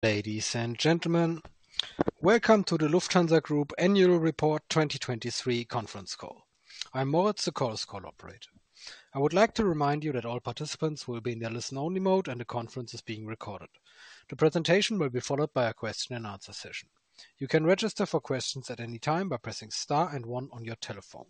Ladies and gentlemen, welcome to the Lufthansa Group Annual Report 2023 Conference Call. I'm Moritz, the call operator. I would like to remind you that all participants will be in their listen-only mode, and the conference is being recorded. The presentation will be followed by a question-and-answer session. You can register for questions at any time by pressing star and one on your telephone.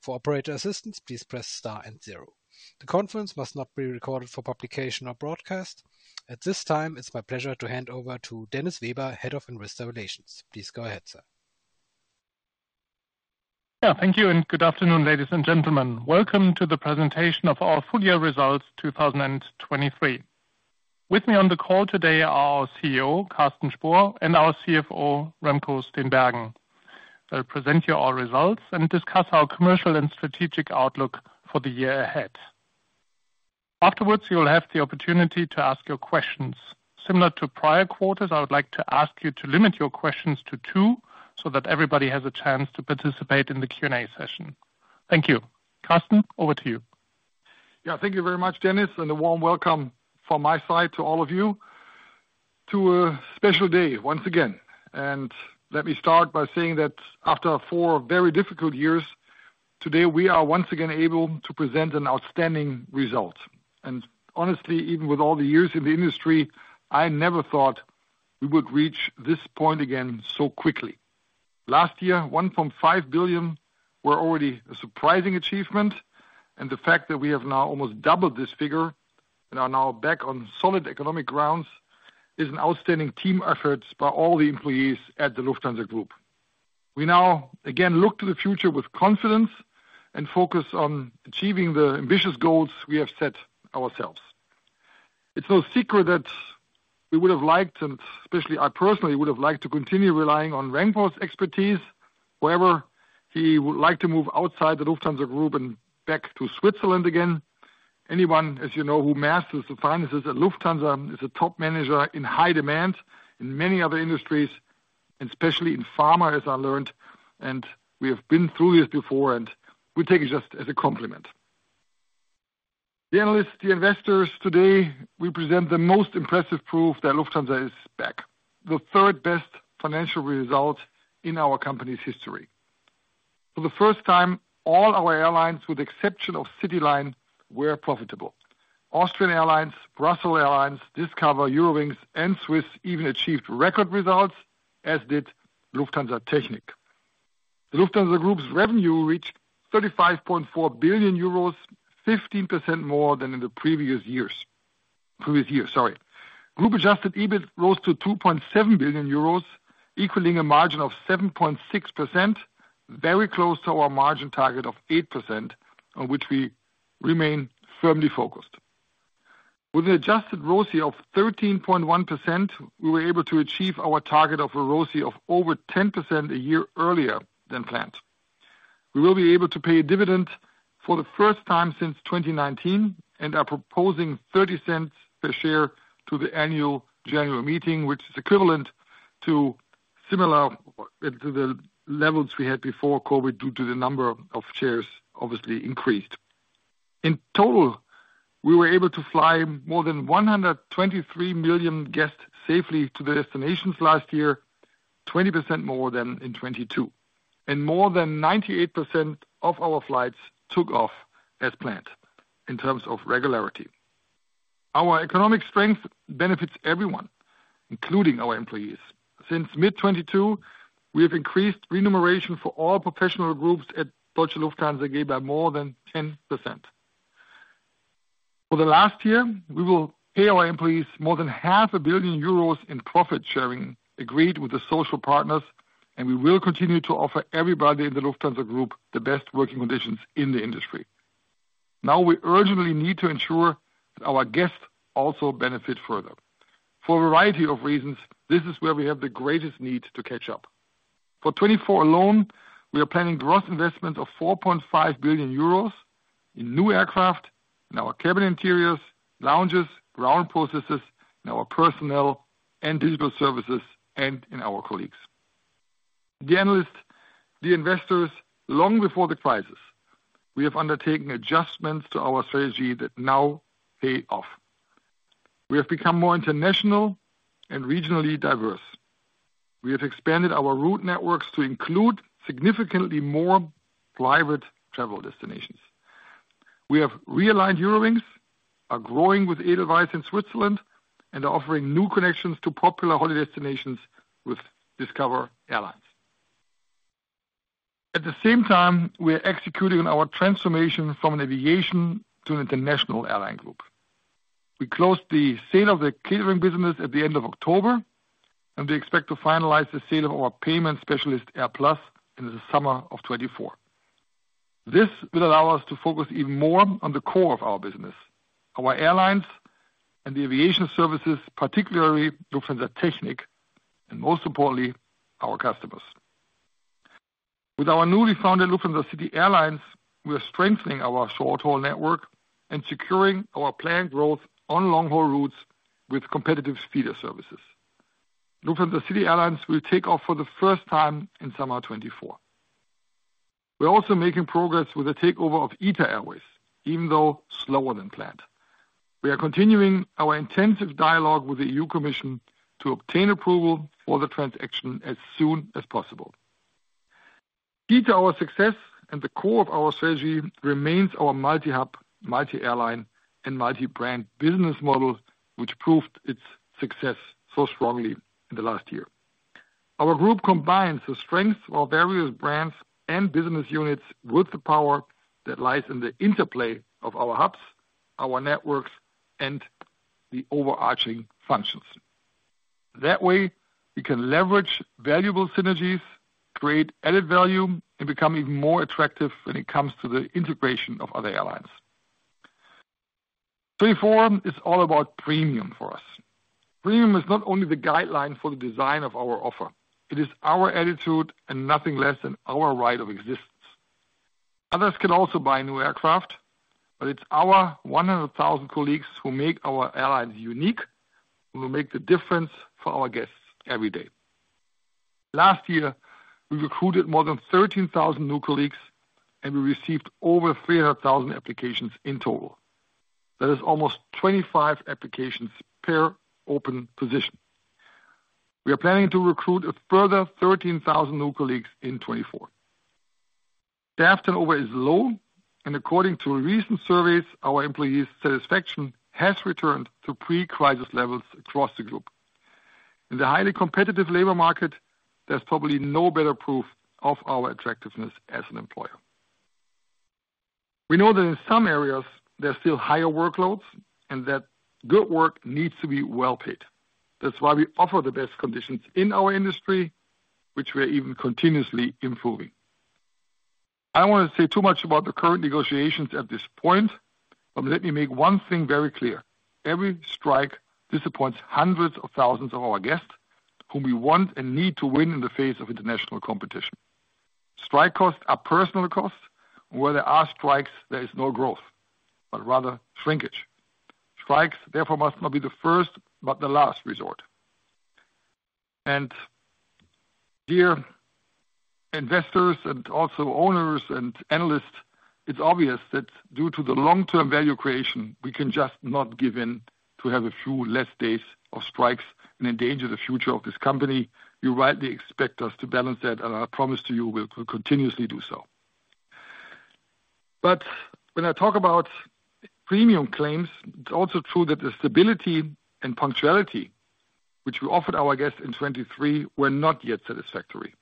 For operator assistance, please press star and zero. The conference must not be recorded for publication or broadcast. At this time, it's my pleasure to hand over to Dennis Weber, Head of Investor Relations. Please go ahead, sir. Yeah, thank you, and good afternoon, ladies and gentlemen. Welcome to the presentation of our full-year results 2023. With me on the call today are our CEO, Carsten Spohr, and our CFO, Remco Steenbergen. They'll present you our results and discuss our commercial and strategic outlook for the year ahead. Afterwards, you'll have the opportunity to ask your questions. Similar to prior quarters, I would like to ask you to limit your questions to two so that everybody has a chance to participate in the Q&A session. Thank you. Carsten, over to you. Yeah, thank you very much, Dennis, and a warm welcome from my side to all of you to a special day once again. And let me start by saying that after four very difficult years, today we are once again able to present an outstanding result. And honestly, even with all the years in the industry, I never thought we would reach this point again so quickly. Last year, 1.5 billion were already a surprising achievement, and the fact that we have now almost doubled this figure and are now back on solid economic grounds is an outstanding team effort by all the employees at the Lufthansa Group. We now again look to the future with confidence and focus on achieving the ambitious goals we have set ourselves. It's no secret that we would have liked, and especially I personally would have liked to continue relying on Remco's expertise. However, he would like to move outside the Lufthansa Group and back to Switzerland again. Anyone, as you know, who masters the finances at Lufthansa is a top manager in high demand in many other industries, and especially in pharma, as I learned. We have been through this before, and we take it just as a compliment. The analysts, the investors, today we present the most impressive proof that Lufthansa is back, the third best financial result in our company's history. For the first time, all our airlines, with the exception of CityLine, were profitable. Austrian Airlines, Brussels Airlines, Discover, Eurowings, and Swiss even achieved record results, as did Lufthansa Technik. The Lufthansa Group's revenue reached 35.4 billion euros, 15% more than in the previous year. Previous year, sorry. Group-adjusted EBIT rose to 2.7 billion euros, equaling a margin of 7.6%, very close to our margin target of 8%, on which we remain firmly focused. With an adjusted ROCE of 13.1%, we were able to achieve our target of a ROCE of over 10% a year earlier than planned. We will be able to pay a dividend for the first time since 2019, and are proposing 0.30 per share to the Annual General Meeting, which is equivalent to similar to the levels we had before COVID due to the number of shares obviously increased. In total, we were able to fly more than 123 million guests safely to the destinations last year, 20% more than in 2022, and more than 98% of our flights took off as planned in terms of regularity. Our economic strength benefits everyone, including our employees. Since mid-2022, we have increased remuneration for all professional groups at Deutsche Lufthansa by more than 10%. For the last year, we will pay our employees more than 500 million euros in profit sharing agreed with the social partners, and we will continue to offer everybody in the Lufthansa Group the best working conditions in the industry. Now we urgently need to ensure that our guests also benefit further. For a variety of reasons, this is where we have the greatest need to catch up. For 2024 alone, we are planning gross investments of 4.5 billion euros in new aircraft, in our cabin interiors, lounges, ground processes, in our personnel, and digital services, and in our colleagues. The analysts, the investors, long before the crisis, we have undertaken adjustments to our strategy that now pay off. We have become more international and regionally diverse. We have expanded our route networks to include significantly more private travel destinations. We have realigned Eurowings, are growing with Edelweiss in Switzerland, and are offering new connections to popular holiday destinations with Discover Airlines. At the same time, we are executing on our transformation from an aviation to an international airline group. We closed the sale of the catering business at the end of October, and we expect to finalize the sale of our payment specialist AirPlus in the summer of 2024. This will allow us to focus even more on the core of our business, our airlines and the aviation services, particularly Lufthansa Technik, and most importantly, our customers. With our newly founded Lufthansa City Airlines, we are strengthening our short-haul network and securing our planned growth on long-haul routes with competitive feeder services. Lufthansa City Airlines will take off for the first time in summer 2024. We're also making progress with the takeover of ITA Airways, even though slower than planned. We are continuing our intensive dialogue with the EU Commission to obtain approval for the transaction as soon as possible. Due to our success and the core of our strategy, remains our multi-hub, multi-airline, and multi-brand business model, which proved its success so strongly in the last year. Our group combines the strengths of our various brands and business units with the power that lies in the interplay of our hubs, our networks, and the overarching functions. That way, we can leverage valuable synergies, create added value, and become even more attractive when it comes to the integration of other airlines. 2024 is all about premium for us. Premium is not only the guideline for the design of our offer. It is our attitude and nothing less than our right of existence. Others can also buy new aircraft, but it's our 100,000 colleagues who make our airlines unique, who make the difference for our guests every day. Last year, we recruited more than 13,000 new colleagues, and we received over 300,000 applications in total. That is almost 25 applications per open position. We are planning to recruit a further 13,000 new colleagues in 2024. Staff turnover is low, and according to recent surveys, our employees' satisfaction has returned to pre-crisis levels across the group. In the highly competitive labor market, there's probably no better proof of our attractiveness as an employer. We know that in some areas, there's still higher workloads and that good work needs to be well paid. That's why we offer the best conditions in our industry, which we are even continuously improving. I don't want to say too much about the current negotiations at this point, but let me make one thing very clear. Every strike disappoints hundreds of thousands of our guests, whom we want and need to win in the face of international competition. Strike costs are personal costs, and where there are strikes, there is no growth, but rather shrinkage. Strikes, therefore, must not be the first but the last resort. And dear investors and also owners and analysts, it's obvious that due to the long-term value creation, we can just not give in to have a few less days of strikes and endanger the future of this company. You rightly expect us to balance that, and I promise to you we'll continuously do so. But when I talk about premium claims, it's also true that the stability and punctuality, which we offered our guests in 2023, were not yet satisfactory.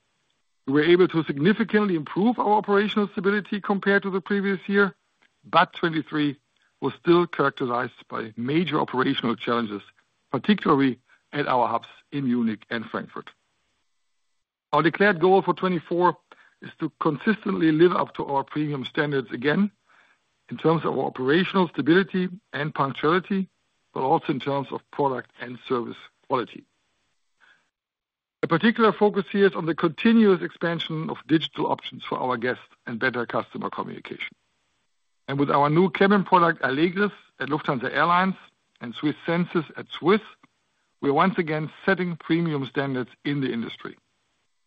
We were able to significantly improve our operational stability compared to the previous year, but 2023 was still characterized by major operational challenges, particularly at our hubs in Munich and Frankfurt. Our declared goal for 2024 is to consistently live up to our premium standards again in terms of our operational stability and punctuality, but also in terms of product and service quality. A particular focus here is on the continuous expansion of digital options for our guests and better customer communication. And with our new cabin product, Allegris, at Lufthansa Airlines and SWISS Senses at SWISS, we are once again setting premium standards in the industry.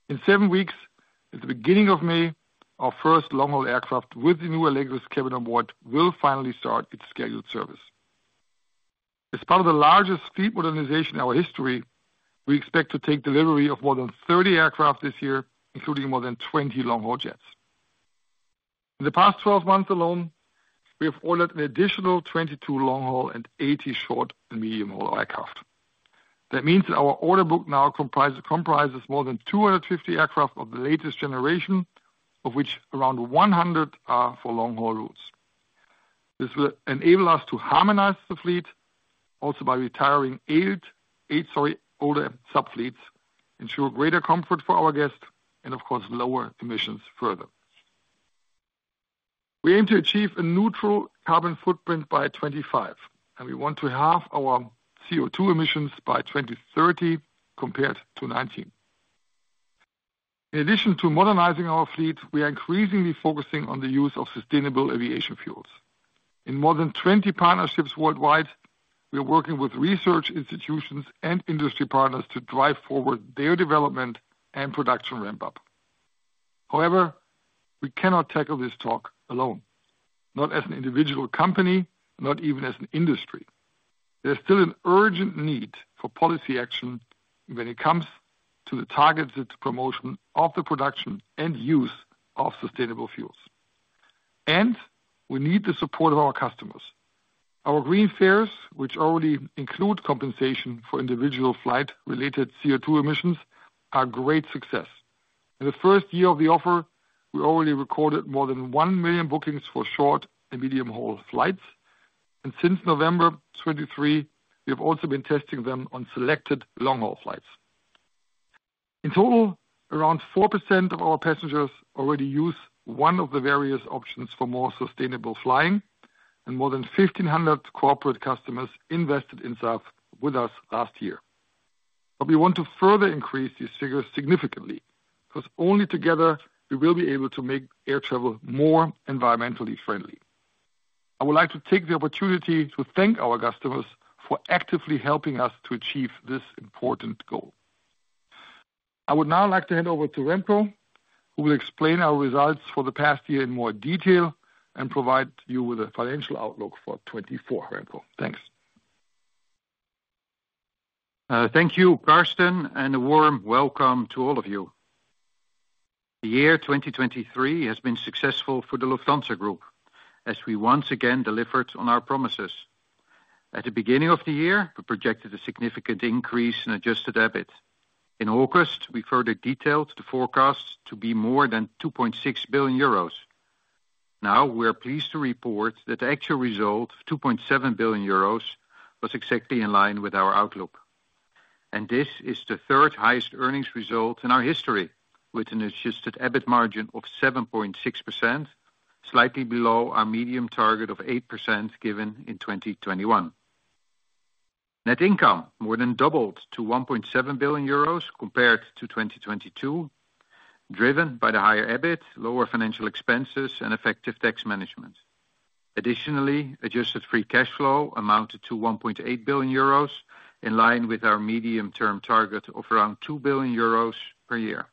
In 7 weeks, at the beginning of May, our first long-haul aircraft with the new Allegris cabin on board will finally start its scheduled service. As part of the largest fleet modernization in our history, we expect to take delivery of more than 30 aircraft this year, including more than 20 long-haul jets. In the past 12 months alone, we have ordered an additional 22 long-haul and 80 short and medium-haul aircraft. That means that our order book now comprises more than 250 aircraft of the latest generation, of which around 100 are for long-haul routes. This will enable us to harmonize the fleet, also by retiring 8, sorry, older subfleets, ensure greater comfort for our guests, and of course, lower emissions further. We aim to achieve a neutral carbon footprint by 2025, and we want to halve our CO2 emissions by 2030 compared to 2019. In addition to modernizing our fleet, we are increasingly focusing on the use of sustainable aviation fuels. In more than 20 partnerships worldwide, we are working with research institutions and industry partners to drive forward their development and production ramp-up. However, we cannot tackle this task alone, not as an individual company, not even as an industry. There's still an urgent need for policy action when it comes to the targets and promotion of the production and use of sustainable fuels. We need the support of our customers. Our Green Fares, which already include compensation for individual flight-related CO2 emissions, are a great success. In the first year of the offer, we already recorded more than 1 million bookings for short and medium-haul flights. Since November 2023, we have also been testing them on selected long-haul flights. In total, around 4% of our passengers already use one of the various options for more sustainable flying, and more than 1,500 corporate customers invested in SAF with us last year. But we want to further increase these figures significantly because only together we will be able to make air travel more environmentally friendly. I would like to take the opportunity to thank our customers for actively helping us to achieve this important goal. I would now like to hand over to Remco, who will explain our results for the past year in more detail and provide you with a financial outlook for 2024. Remco, thanks. Thank you, Carsten, and a warm welcome to all of you. The year 2023 has been successful for the Lufthansa Group, as we once again delivered on our promises. At the beginning of the year, we projected a significant increase in adjusted EBIT. In August, we further detailed the forecast to be more than 2.6 billion euros. Now we are pleased to report that the actual result of 2.7 billion euros was exactly in line with our outlook. This is the third highest earnings result in our history, with an Adjusted EBIT margin of 7.6%, slightly below our medium target of 8% given in 2021. Net income more than doubled to 1.7 billion euros compared to 2022, driven by the higher EBIT, lower financial expenses, and effective tax management. Additionally, Adjusted Free Cash Flow amounted to 1.8 billion euros, in line with our medium-term target of around 2 billion euros per year.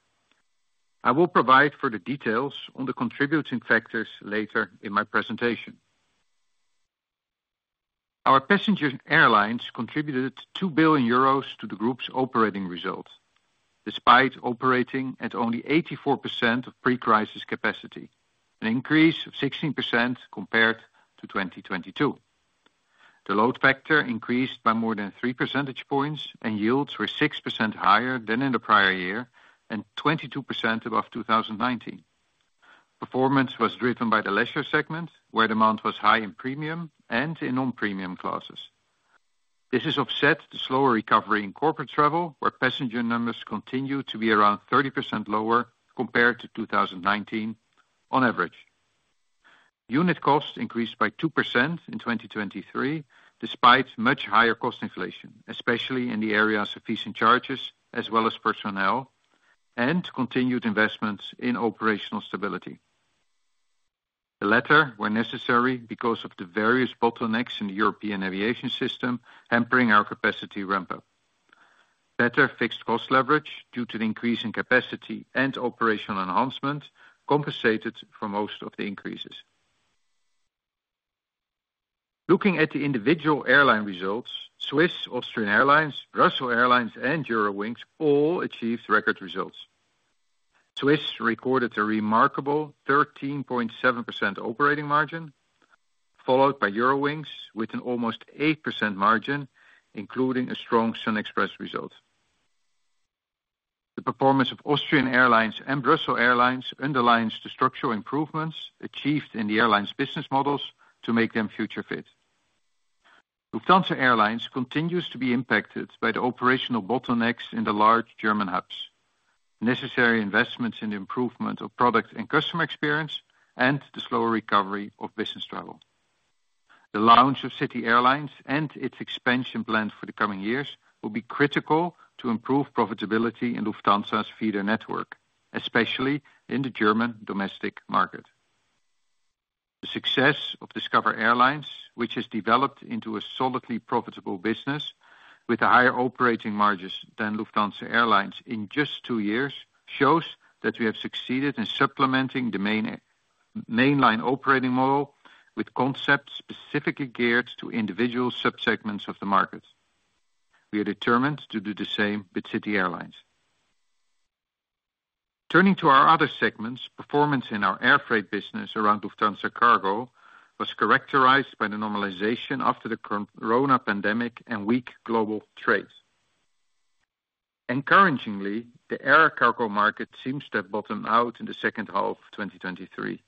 I will provide further details on the contributing factors later in my presentation. Our passenger airlines contributed 2 billion euros to the group's operating result, despite operating at only 84% of pre-crisis capacity, an increase of 16% compared to 2022. The load factor increased by more than 3 percentage points, and yields were 6% higher than in the prior year and 22% above 2019. Performance was driven by the leisure segment, where demand was high in premium and in non-premium classes. This has offset the slower recovery in corporate travel, where passenger numbers continue to be around 30% lower compared to 2019 on average. Unit costs increased by 2% in 2023, despite much higher cost inflation, especially in the areas of fees and charges as well as personnel, and continued investments in operational stability. The latter were necessary because of the various bottlenecks in the European aviation system hampering our capacity ramp-up. Better fixed cost leverage due to the increase in capacity and operational enhancement compensated for most of the increases. Looking at the individual airline results, SWISS, Austrian Airlines, Brussels Airlines, and Eurowings all achieved record results. SWISS recorded a remarkable 13.7% operating margin, followed by Eurowings with an almost 8% margin, including a strong SunExpress result. The performance of Austrian Airlines and Brussels Airlines underlines the structural improvements achieved in the airline's business models to make them future-fit. Lufthansa Airlines continues to be impacted by the operational bottlenecks in the large German hubs, necessary investments in the improvement of product and customer experience, and the slower recovery of business travel. The launch of City Airlines and its expansion plan for the coming years will be critical to improve profitability in Lufthansa's feeder network, especially in the German domestic market. The success of Discover Airlines, which has developed into a solidly profitable business with a higher operating margin than Lufthansa Airlines in just two years, shows that we have succeeded in supplementing the mainline operating model with concepts specifically geared to individual subsegments of the market. We are determined to do the same with City Airlines. Turning to our other segments, performance in our air freight business around Lufthansa Cargo was characterized by the normalization after the corona pandemic and weak global trade. Encouragingly, the air cargo market seems to have bottomed out in the second half of 2023.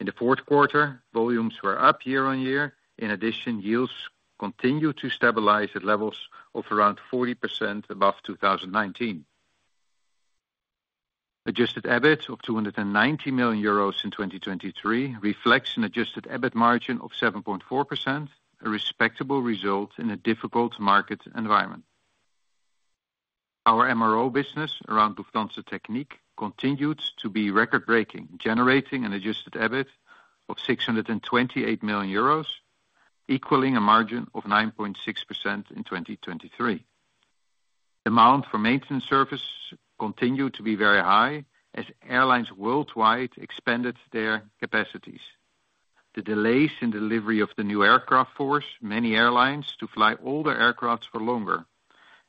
In the fourth quarter, volumes were up year on year. In addition, yields continue to stabilize at levels of around 40% above 2019. Adjusted EBIT of 290 million euros in 2023 reflects an adjusted EBIT margin of 7.4%, a respectable result in a difficult market environment. Our MRO business around Lufthansa Technik continued to be record-breaking, generating an adjusted EBIT of 628 million euros, equaling a margin of 9.6% in 2023. Amount for maintenance services continued to be very high as airlines worldwide expanded their capacities. The delays in delivery of the new aircraft forced many airlines to fly older aircraft for longer,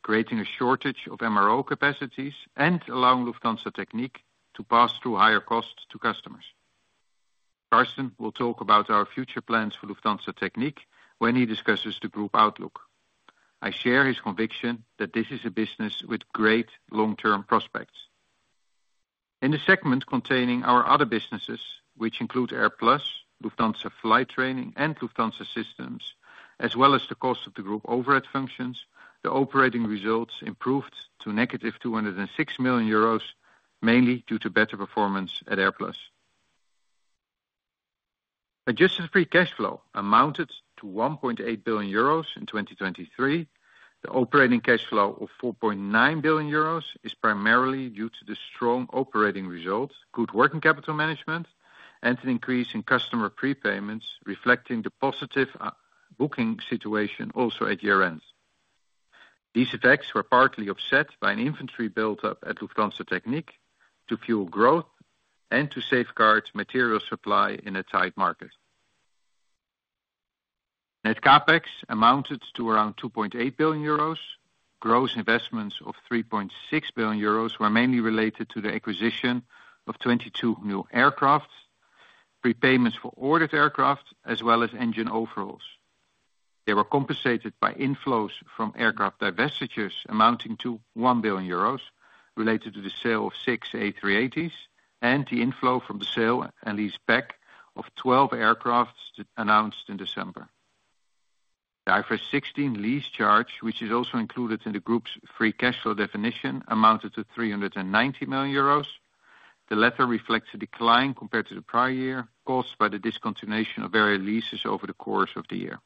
creating a shortage of MRO capacities and allowing Lufthansa Technik to pass through higher costs to customers. Carsten will talk about our future plans for Lufthansa Technik when he discusses the group outlook. I share his conviction that this is a business with great long-term prospects. In the segment containing our other businesses, which include AirPlus, Lufthansa Flight Training, and Lufthansa Systems, as well as the cost of the group overhead functions, the operating results improved to negative 206 million euros, mainly due to better performance at AirPlus. Adjusted free cash flow amounted to 1.8 billion euros in 2023. The operating cash flow of 4.9 billion euros is primarily due to the strong operating result, good working capital management, and an increase in customer prepayments, reflecting the positive booking situation also at year-end. These effects were partly offset by an inventory buildup at Lufthansa Technik to fuel growth and to safeguard material supply in a tight market. Net CapEx amounted to around 2.8 billion euros. Gross investments of 3.6 billion euros were mainly related to the acquisition of 22 new aircraft, prepayments for ordered aircraft, as well as engine overhauls. They were compensated by inflows from aircraft divestitures amounting to 1 billion euros related to the sale of 6 A380s and the inflow from the sale and lease back of 12 aircraft announced in December. The IFRS 16 lease charge, which is also included in the group's free cash flow definition, amounted to 390 million euros. The latter reflects a decline compared to the prior year caused by the discontinuation of various leases over the course of the year.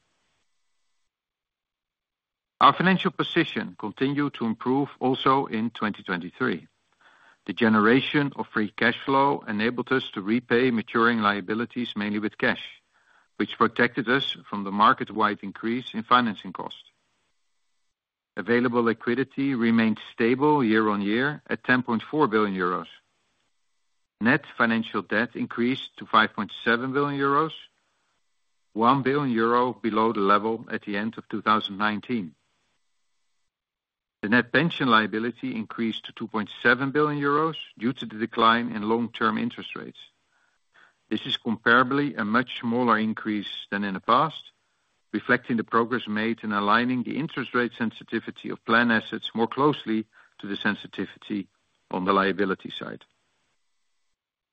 Our financial position continued to improve also in 2023. The generation of free cash flow enabled us to repay maturing liabilities mainly with cash, which protected us from the market-wide increase in financing costs. Available liquidity remained stable year on year at 10.4 billion euros. Net financial debt increased to 5.7 billion euros, 1 billion euro below the level at the end of 2019. The net pension liability increased to 2.7 billion euros due to the decline in long-term interest rates. This is comparably a much smaller increase than in the past, reflecting the progress made in aligning the interest rate sensitivity of plan assets more closely to the sensitivity on the liability side.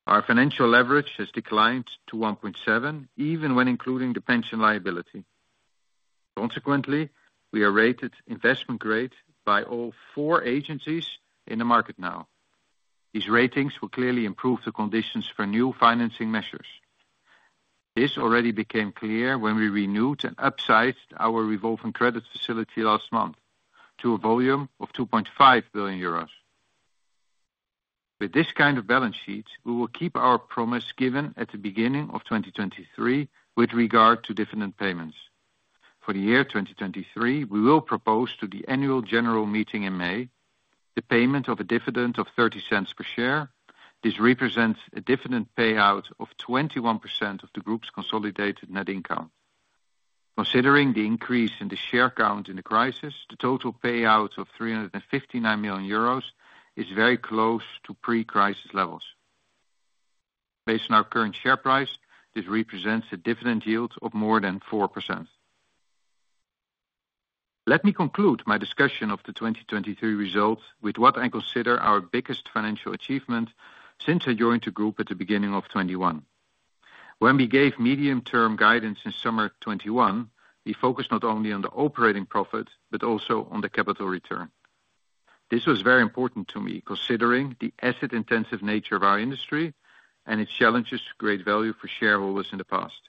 Our financial leverage has declined to 1.7, even when including the pension liability. Consequently, we are rated investment grade by all four agencies in the market now. These ratings will clearly improve the conditions for new financing measures. This already became clear when we renewed and upsized our revolving credit facility last month to a volume of 2.5 billion euros. With this kind of balance sheet, we will keep our promise given at the beginning of 2023 with regard to dividend payments. For the year 2023, we will propose to the Annual General Meeting in May the payment of a dividend of 0.30 per share. This represents a dividend payout of 21% of the group's consolidated net income. Considering the increase in the share count in the crisis, the total payout of 359 million euros is very close to pre-crisis levels. Based on our current share price, this represents a dividend yield of more than 4%. Let me conclude my discussion of the 2023 results with what I consider our biggest financial achievement since I joined the group at the beginning of 2021. When we gave medium-term guidance in summer 2021, we focused not only on the operating profit but also on the capital return. This was very important to me considering the asset-intensive nature of our industry and its challenges to create value for shareholders in the past.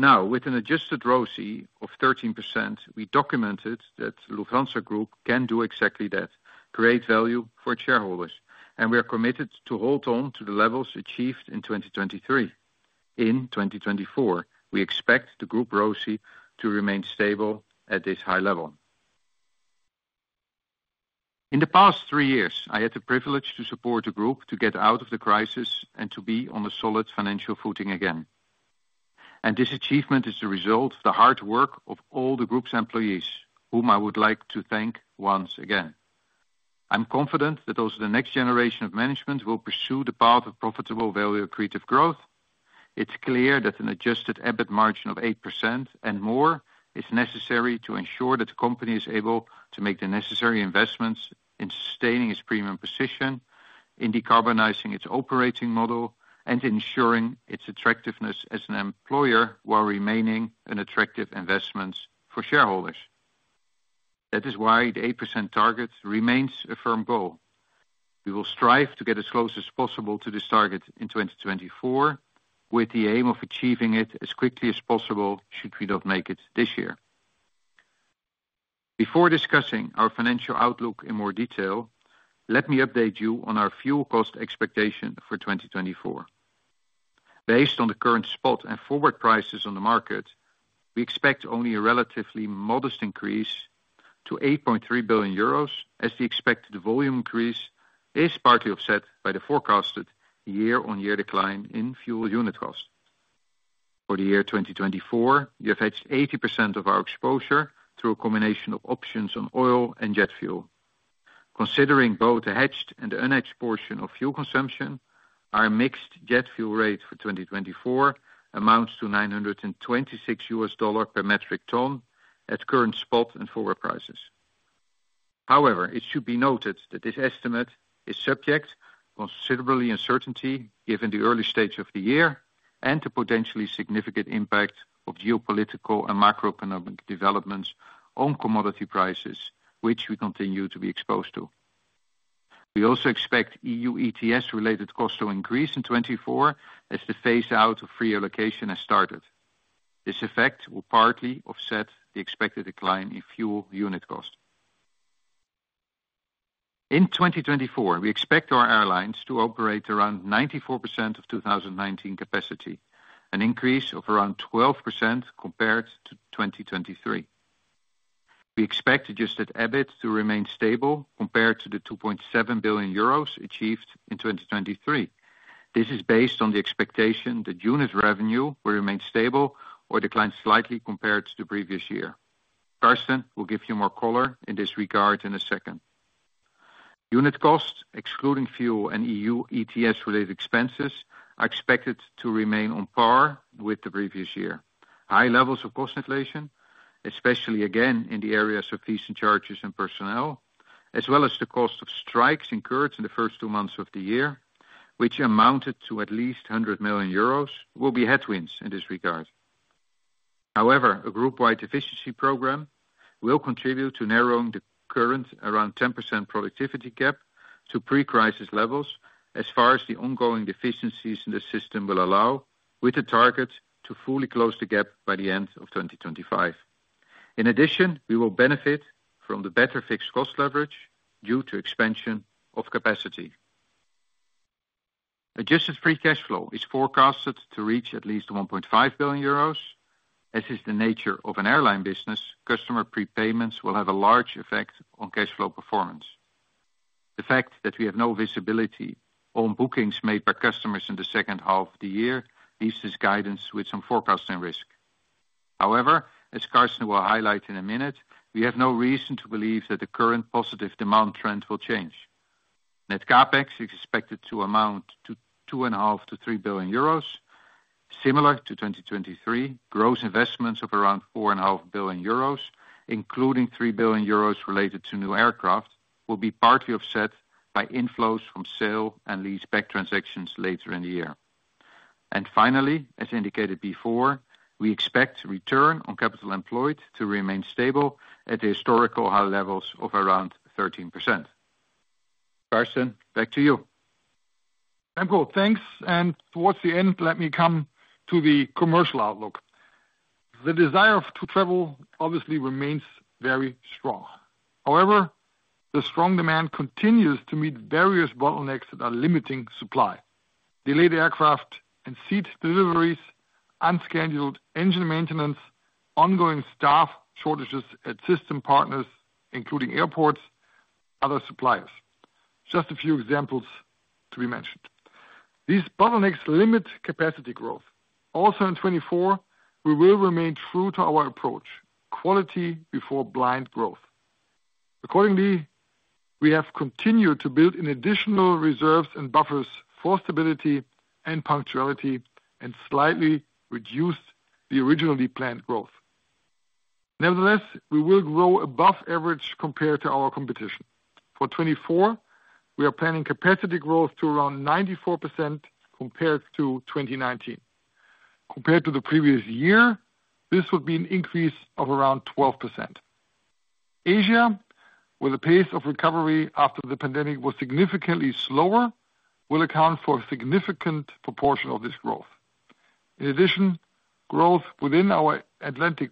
Now, with an adjusted ROCE of 13%, we documented that Lufthansa Group can do exactly that: create value for its shareholders. We are committed to hold on to the levels achieved in 2023. In 2024, we expect the group ROCE to remain stable at this high level. In the past three years, I had the privilege to support the group to get out of the crisis and to be on a solid financial footing again. This achievement is the result of the hard work of all the group's employees, whom I would like to thank once again. I'm confident that also the next generation of management will pursue the path of profitable value creative growth. It's clear that an Adjusted EBIT margin of 8% and more is necessary to ensure that the company is able to make the necessary investments in sustaining its premium position, in decarbonizing its operating model, and in ensuring its attractiveness as an employer while remaining an attractive investment for shareholders. That is why the 8% target remains a firm goal. We will strive to get as close as possible to this target in 2024, with the aim of achieving it as quickly as possible should we not make it this year. Before discussing our financial outlook in more detail, let me update you on our fuel cost expectation for 2024. Based on the current spot and forward prices on the market, we expect only a relatively modest increase to 8.3 billion euros as the expected volume increase is partly offset by the forecasted year-on-year decline in fuel unit cost. For the year 2024, you have hedged 80% of our exposure through a combination of options on oil and jet fuel. Considering both the hedged and the unhedged portion of fuel consumption, our mixed jet fuel rate for 2024 amounts to $926 per metric ton at current spot and forward prices. However, it should be noted that this estimate is subject to considerable uncertainty given the early stage of the year and the potentially significant impact of geopolitical and macroeconomic developments on commodity prices, which we continue to be exposed to. We also expect EU ETS-related costs to increase in 2024 as the phase-out of free allocation has started. This effect will partly offset the expected decline in fuel unit cost. In 2024, we expect our airlines to operate around 94% of 2019 capacity, an increase of around 12% compared to 2023. We expect adjusted EBIT to remain stable compared to the 2.7 billion euros achieved in 2023. This is based on the expectation that unit revenue will remain stable or decline slightly compared to the previous year. Carsten will give you more color in this regard in a second. Unit costs, excluding fuel and EU ETS-related expenses, are expected to remain on par with the previous year. High levels of cost inflation, especially again in the areas of fees and charges and personnel, as well as the cost of strikes incurred in the first two months of the year, which amounted to at least 100 million euros, will be headwinds in this regard. However, a group-wide efficiency program will contribute to narrowing the current around 10% productivity gap to pre-crisis levels as far as the ongoing deficiencies in the system will allow, with the target to fully close the gap by the end of 2025. In addition, we will benefit from the better fixed cost leverage due to expansion of capacity. Adjusted Free Cash Flow is forecasted to reach at least 1.5 billion euros. As is the nature of an airline business, customer prepayments will have a large effect on cash flow performance. The fact that we have no visibility on bookings made by customers in the second half of the year leaves this guidance with some forecasting risk. However, as Carsten will highlight in a minute, we have no reason to believe that the current positive demand trend will change. Net CapEx is expected to amount to 2.5 billion-3 billion euros. Similar to 2023, gross investments of around 4.5 billion euros, including 3 billion euros related to new aircraft, will be partly offset by inflows from sale and lease-back transactions later in the year. And finally, as indicated before, we expect return on capital employed to remain stable at the historical high levels of around 13%. Carsten, back to you. Remco, thanks. And towards the end, let me come to the commercial outlook. The desire to travel obviously remains very strong. However, the strong demand continues to meet various bottlenecks that are limiting supply: delayed aircraft and seat deliveries, unscheduled engine maintenance, ongoing staff shortages at system partners, including airports, other suppliers - just a few examples to be mentioned. These bottlenecks limit capacity growth. Also in 2024, we will remain true to our approach: quality before blind growth. Accordingly, we have continued to build in additional reserves and buffers for stability and punctuality and slightly reduced the originally planned growth. Nevertheless, we will grow above average compared to our competition. For 2024, we are planning capacity growth to around 94% compared to 2019. Compared to the previous year, this would be an increase of around 12%. Asia, where the pace of recovery after the pandemic was significantly slower, will account for a significant proportion of this growth. In addition, growth within our Atlantic++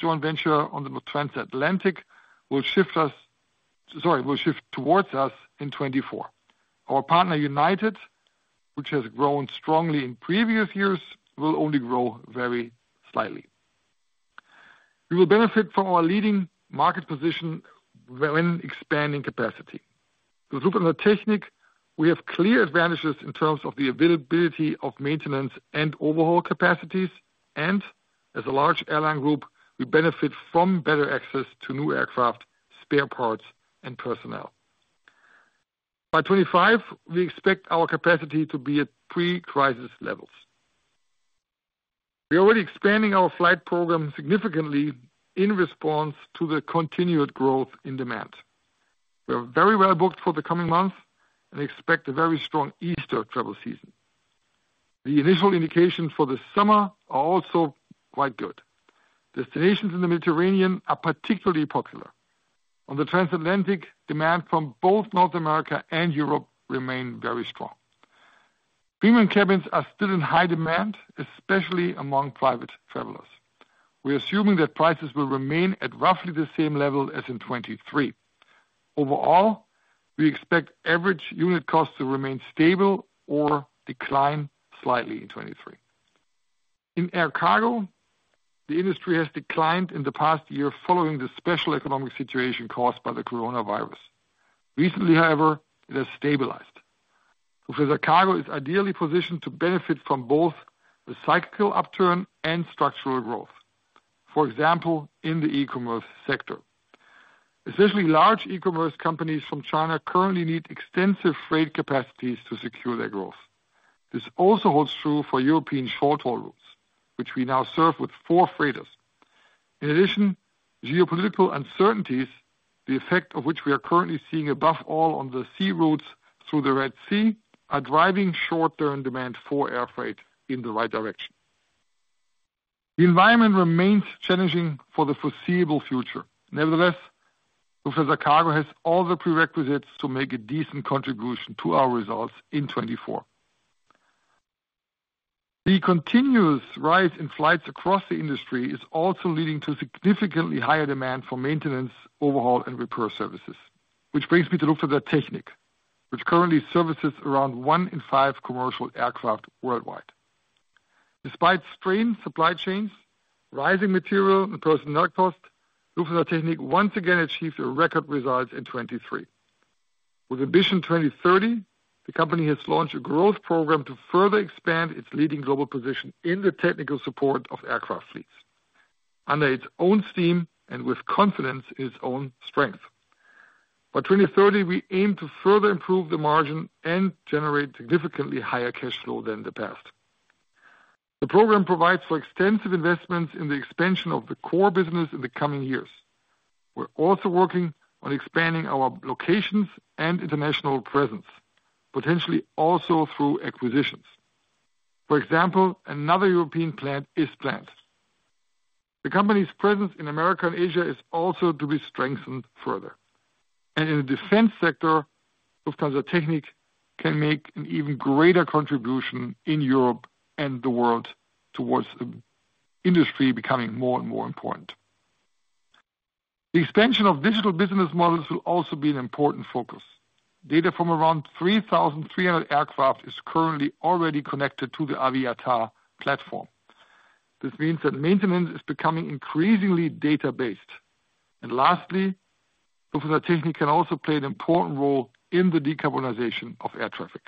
joint venture on the Transatlantic will shift us, sorry, will shift towards us in 2024. Our partner United, which has grown strongly in previous years, will only grow very slightly. We will benefit from our leading market position when expanding capacity. With Lufthansa Technik, we have clear advantages in terms of the availability of maintenance and overhaul capacities. As a large airline group, we benefit from better access to new aircraft, spare parts, and personnel. By 2025, we expect our capacity to be at pre-crisis levels. We are already expanding our flight program significantly in response to the continued growth in demand. We are very well booked for the coming months and expect a very strong Easter travel season. The initial indications for the summer are also quite good. Destinations in the Mediterranean are particularly popular. On the Transatlantic, demand from both North America and Europe remains very strong. Premium cabins are still in high demand, especially among private travelers. We are assuming that prices will remain at roughly the same level as in 2023. Overall, we expect average unit costs to remain stable or decline slightly in 2023. In air cargo, the industry has declined in the past year following the special economic situation caused by the coronavirus. Recently, however, it has stabilized. Lufthansa Cargo is ideally positioned to benefit from both the cyclical upturn and structural growth, for example, in the e-commerce sector. Especially large e-commerce companies from China currently need extensive freight capacities to secure their growth. This also holds true for European short-haul routes, which we now serve with four freighters. In addition, geopolitical uncertainties, the effect of which we are currently seeing above all on the sea routes through the Red Sea, are driving short-term demand for air freight in the right direction. The environment remains challenging for the foreseeable future. Nevertheless, Lufthansa Cargo has all the prerequisites to make a decent contribution to our results in 2024. The continuous rise in flights across the industry is also leading to significantly higher demand for maintenance, overhaul, and repair services, which brings me to Lufthansa Technik, which currently services around one in five commercial aircraft worldwide. Despite strained supply chains, rising material, and personnel costs, Lufthansa Technik once again achieved record results in 2023. With Ambition 2030, the company has launched a growth program to further expand its leading global position in the technical support of aircraft fleets, under its own steam and with confidence in its own strength. By 2030, we aim to further improve the margin and generate significantly higher cash flow than the past. The program provides for extensive investments in the expansion of the core business in the coming years. We're also working on expanding our locations and international presence, potentially also through acquisitions. For example, another European plant is planned. The company's presence in America and Asia is also to be strengthened further. In the defense sector, Lufthansa Technik can make an even greater contribution in Europe and the world towards an industry becoming more and more important. The expansion of digital business models will also be an important focus. Data from around 3,300 aircraft is currently already connected to the AVIATAR platform. This means that maintenance is becoming increasingly data-based. Lastly, Lufthansa Technik can also play an important role in the decarbonization of air traffic.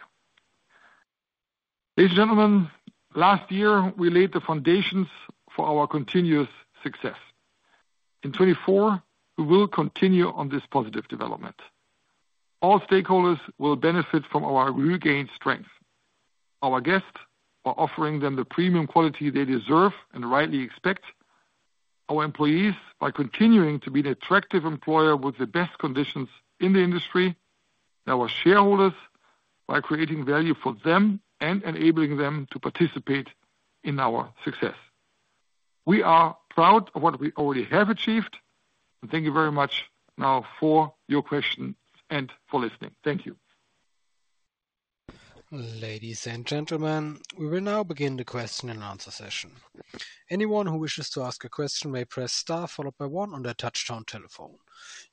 Ladies and gentlemen, last year, we laid the foundations for our continuous success. In 2024, we will continue on this positive development. All stakeholders will benefit from our regained strength. Our guests by offering them the premium quality they deserve and rightly expect, our employees by continuing to be an attractive employer with the best conditions in the industry, and our shareholders by creating value for them and enabling them to participate in our success. We are proud of what we already have achieved. Thank you very much now for your questions and for listening. Thank you. Ladies and gentlemen, we will now begin the question and answer session. Anyone who wishes to ask a question may press star followed by one on their touch-tone telephone.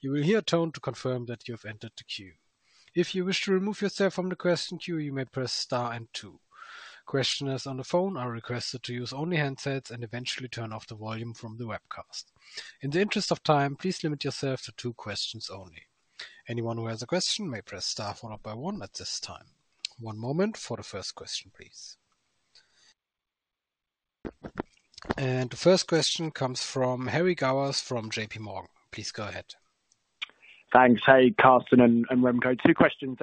You will hear a tone to confirm that you have entered the queue. If you wish to remove yourself from the question queue, you may press star and two. Questioners on the phone are requested to use only handsets and eventually turn off the volume from the webcast. In the interest of time, please limit yourself to two questions only. Anyone who has a question may press star followed by one at this time. One moment for the first question, please. And the first question comes from Harry Gowers from J.P. Morgan. Please go ahead. Thanks. Hey, Carsten and Remco. Two questions.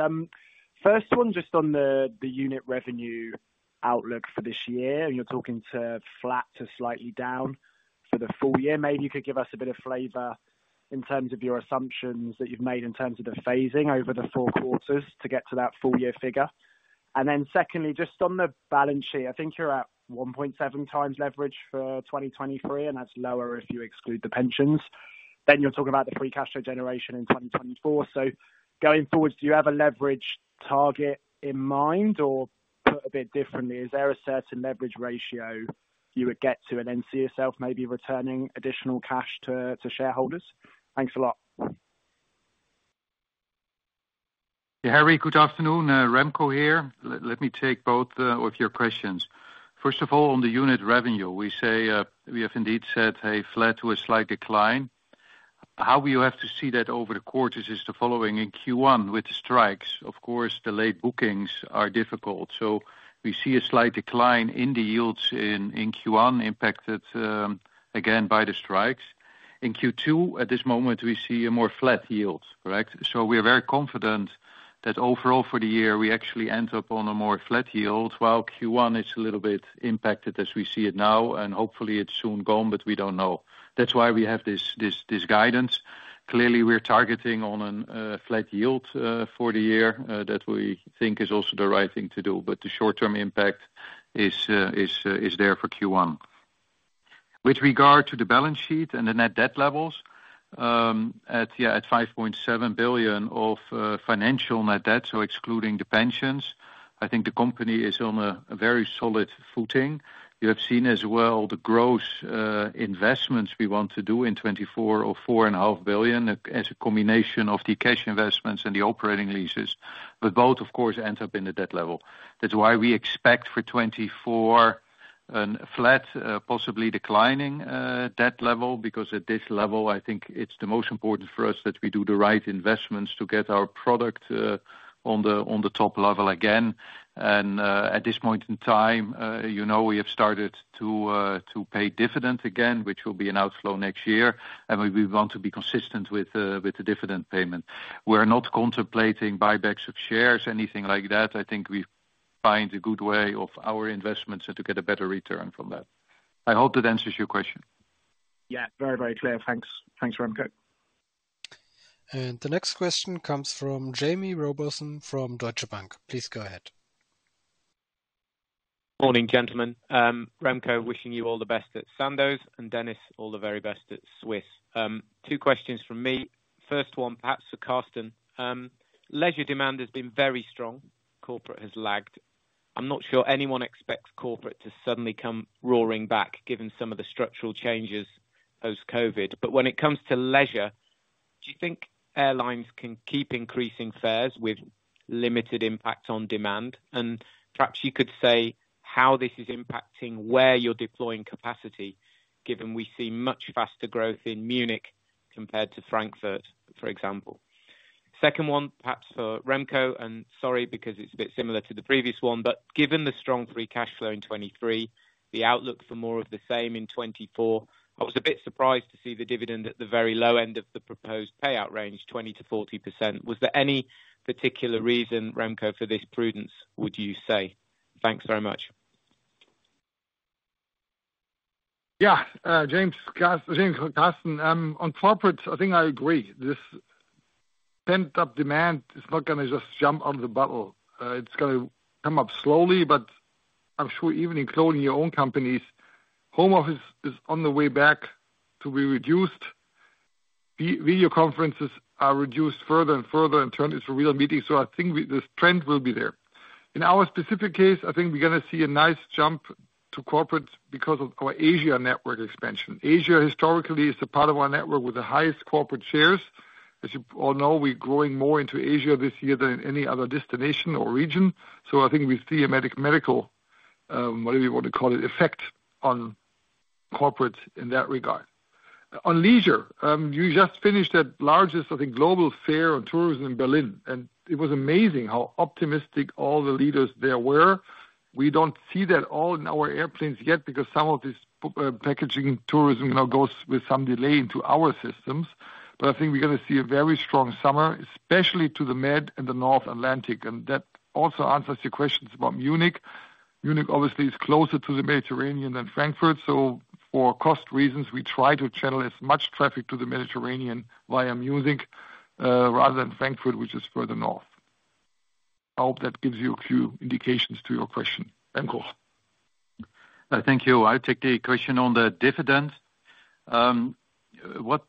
First one, just on the unit revenue outlook for this year. You're talking to flat to slightly down for the full year. Maybe you could give us a bit of flavor in terms of your assumptions that you've made in terms of the phasing over the four quarters to get to that full-year figure. And then secondly, just on the balance sheet, I think you're at 1.7 times leverage for 2023, and that's lower if you exclude the pensions. Then you're talking about the free cash flow generation in 2024. So going forwards, do you have a leverage target in mind or put a bit differently? Is there a certain leverage ratio you would get to and then see yourself maybe returning additional cash to shareholders? Thanks a lot. Yeah, Harry, good afternoon. Remco here. Let me take both of your questions. First of all, on the unit revenue, we have indeed said, hey, flat to a slight decline. How we have to see that over the quarters is the following: in Q1, with the strikes, of course, the late bookings are difficult. So we see a slight decline in the yields in Q1, impacted again by the strikes. In Q2, at this moment, we see a more flat yield, correct? So we are very confident that overall for the year, we actually end up on a more flat yield, while Q1 is a little bit impacted as we see it now. And hopefully, it's soon gone, but we don't know. That's why we have this guidance. Clearly, we're targeting on a flat yield for the year that we think is also the right thing to do. But the short-term impact is there for Q1. With regard to the balance sheet and the net debt levels, at 5.7 billion of financial net debt, so excluding the pensions, I think the company is on a very solid footing. You have seen as well the gross investments we want to do in 2024 of 4.5 billion as a combination of the cash investments and the operating leases. But both, of course, end up in the debt level. That's why we expect for 2024 a flat, possibly declining debt level, because at this level, I think it's the most important for us that we do the right investments to get our product on the top level again. And at this point in time, we have started to pay dividend again, which will be an outflow next year. And we want to be consistent with the dividend payment. We are not contemplating buybacks of shares, anything like that. I think we find a good way of our investments and to get a better return from that. I hope that answers your question. Yeah, very, very clear. Thanks. Thanks, Remco. And the next question comes from Jamie Rowbotham from Deutsche Bank. Please go ahead. Morning, gentlemen. Remco, wishing you all the best at Sandoz, and Dennis, all the very best at Swiss. Two questions from me. First one, perhaps for Carsten. Leisure demand has been very strong. Corporate has lagged. I'm not sure anyone expects corporate to suddenly come roaring back given some of the structural changes post-COVID. But when it comes to leisure, do you think airlines can keep increasing fares with limited impact on demand? And perhaps you could say how this is impacting where you're deploying capacity, given we see much faster growth in Munich compared to Frankfurt, for example. Second one, perhaps for Remco. And sorry because it's a bit similar to the previous one, but given the strong free cash flow in 2023, the outlook for more of the same in 2024, I was a bit surprised to see the dividend at the very low end of the proposed payout range, 20%-40%. Was there any particular reason, Remco, for this prudence, would you say? Thanks very much. Yeah, James Hollins. On corporate, I think I agree. This pent-up demand is not going to just jump out of the bottle. It's going to come up slowly. But I'm sure even in closing your own companies, home office is on the way back to be reduced. Video conferences are reduced further and further and turn into real meetings. So I think this trend will be there. In our specific case, I think we're going to see a nice jump to corporate because of our Asia network expansion. Asia historically is a part of our network with the highest corporate shares. As you all know, we're growing more into Asia this year than any other destination or region. So I think we see a mathematical—what do we want to call it?—effect on corporate in that regard. On leisure, you just finished the largest, I think, global fair on tourism in Berlin. It was amazing how optimistic all the leaders there were. We don't see that all in our airplanes yet because some of this packaging tourism goes with some delay into our systems. But I think we're going to see a very strong summer, especially to the Med and the North Atlantic. That also answers your questions about Munich. Munich, obviously, is closer to the Mediterranean than Frankfurt. So for cost reasons, we try to channel as much traffic to the Mediterranean via Munich rather than Frankfurt, which is further north. I hope that gives you a few indications to your question. Remco. Thank you. I'll take the question on the dividend. What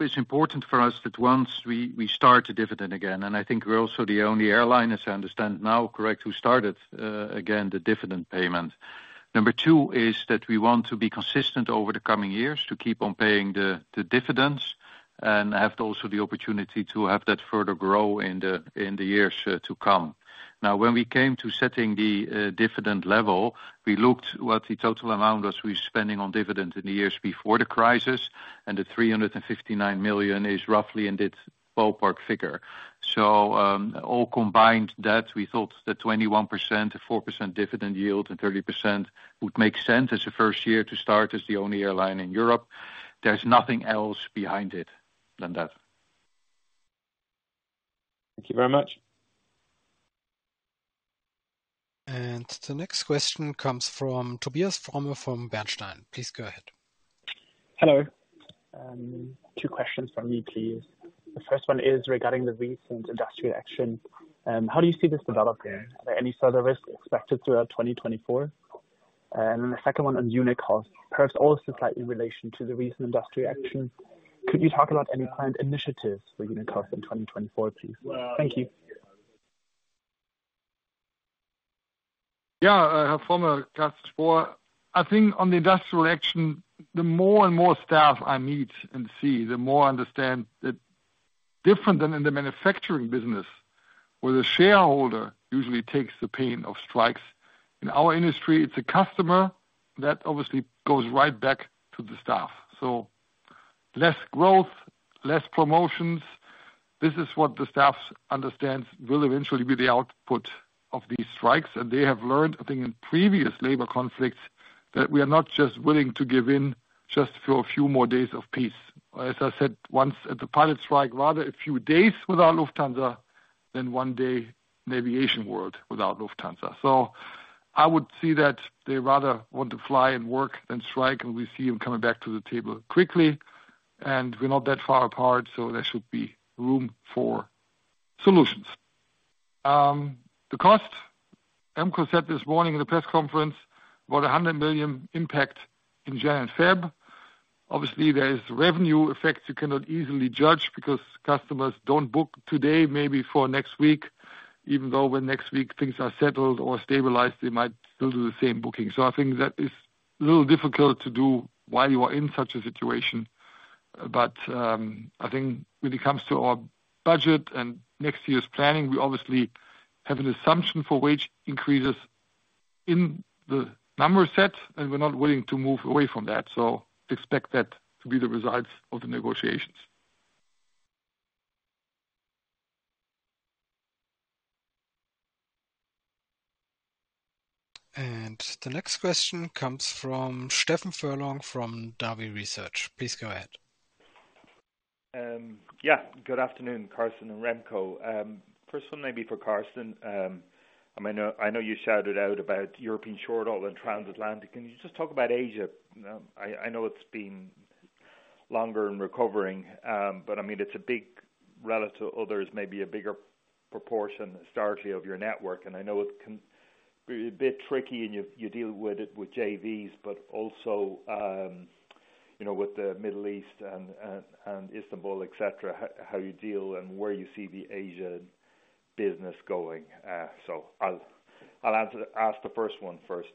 is important for us is that once we start the dividend again, and I think we're also the only airline, as I understand now, correct, who started again the dividend payment, number two is that we want to be consistent over the coming years to keep on paying the dividends and have also the opportunity to have that further grow in the years to come. Now, when we came to setting the dividend level, we looked at what the total amount was we were spending on dividends in the years before the crisis. The 359 million is roughly in this ballpark figure. All combined, we thought that 21%, a 4% dividend yield, and 30% would make sense as a first year to start as the only airline in Europe. There's nothing else behind it than that. Thank you very much. The next question comes from Tobias Fromme from Bernstein. Please go ahead. Hello. Two questions from you, please. The first one is regarding the recent industrial action. How do you see this developing? Are there any further risks expected throughout 2024? And then the second one on Eurowings, perhaps also slightly in relation to the recent industrial action. Could you talk about any planned initiatives for Eurowings in 2024, please? Thank you. Yeah, hi Fromme, Carsten Spohr. I think on the industrial action, the more and more staff I meet and see, the more I understand that different than in the manufacturing business, where the shareholder usually takes the pain of strikes, in our industry, it's a customer that obviously goes right back to the staff. So less growth, less promotions. This is what the staff understands will eventually be the output of these strikes. They have learned, I think, in previous labor conflicts that we are not just willing to give in just for a few more days of peace. As I said once at the pilot strike, rather a few days without Lufthansa than one day an aviation world without Lufthansa. So I would see that they rather want to fly and work than strike. And we see them coming back to the table quickly. And we're not that far apart, so there should be room for solutions. The cost, Remco said this morning in the press conference, about 100 million impact in January and February. Obviously, there is revenue effect you cannot easily judge because customers don't book today, maybe for next week, even though when next week things are settled or stabilized, they might still do the same booking. So I think that is a little difficult to do while you are in such a situation. But I think when it comes to our budget and next year's planning, we obviously have an assumption for wage increases in the number set, and we're not willing to move away from that. So expect that to be the results of the negotiations. And the next question comes from Stephen Furlong from Davy Research. Please go ahead. Yeah, good afternoon, Carsten and Remco. First one, maybe for Carsten. I know you shouted out about European Short Haul and Transatlantic. Can you just talk about Asia? I know it's been longer in recovering, but I mean, it's a big relative to others, maybe a bigger proportion historically of your network. And I know it can be a bit tricky, and you deal with it with JVs, but also with the Middle East and Istanbul, etc., how you deal and where you see the Asia business going. So I'll ask the first one first.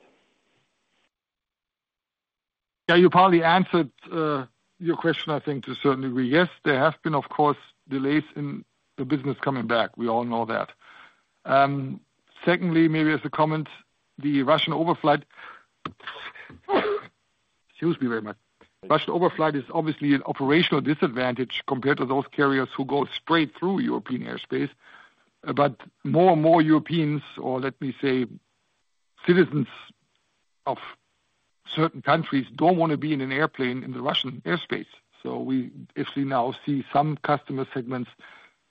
Yeah, you probably answered your question, I think, to a certain degree. Yes, there have been, of course, delays in the business coming back. We all know that. Secondly, maybe as a comment, the Russian overflight excuse me very much. Russian overflight is obviously an operational disadvantage compared to those carriers who go straight through European airspace. But more and more Europeans, or let me say citizens of certain countries, don't want to be in an airplane in the Russian airspace. So if we now see some customer segments,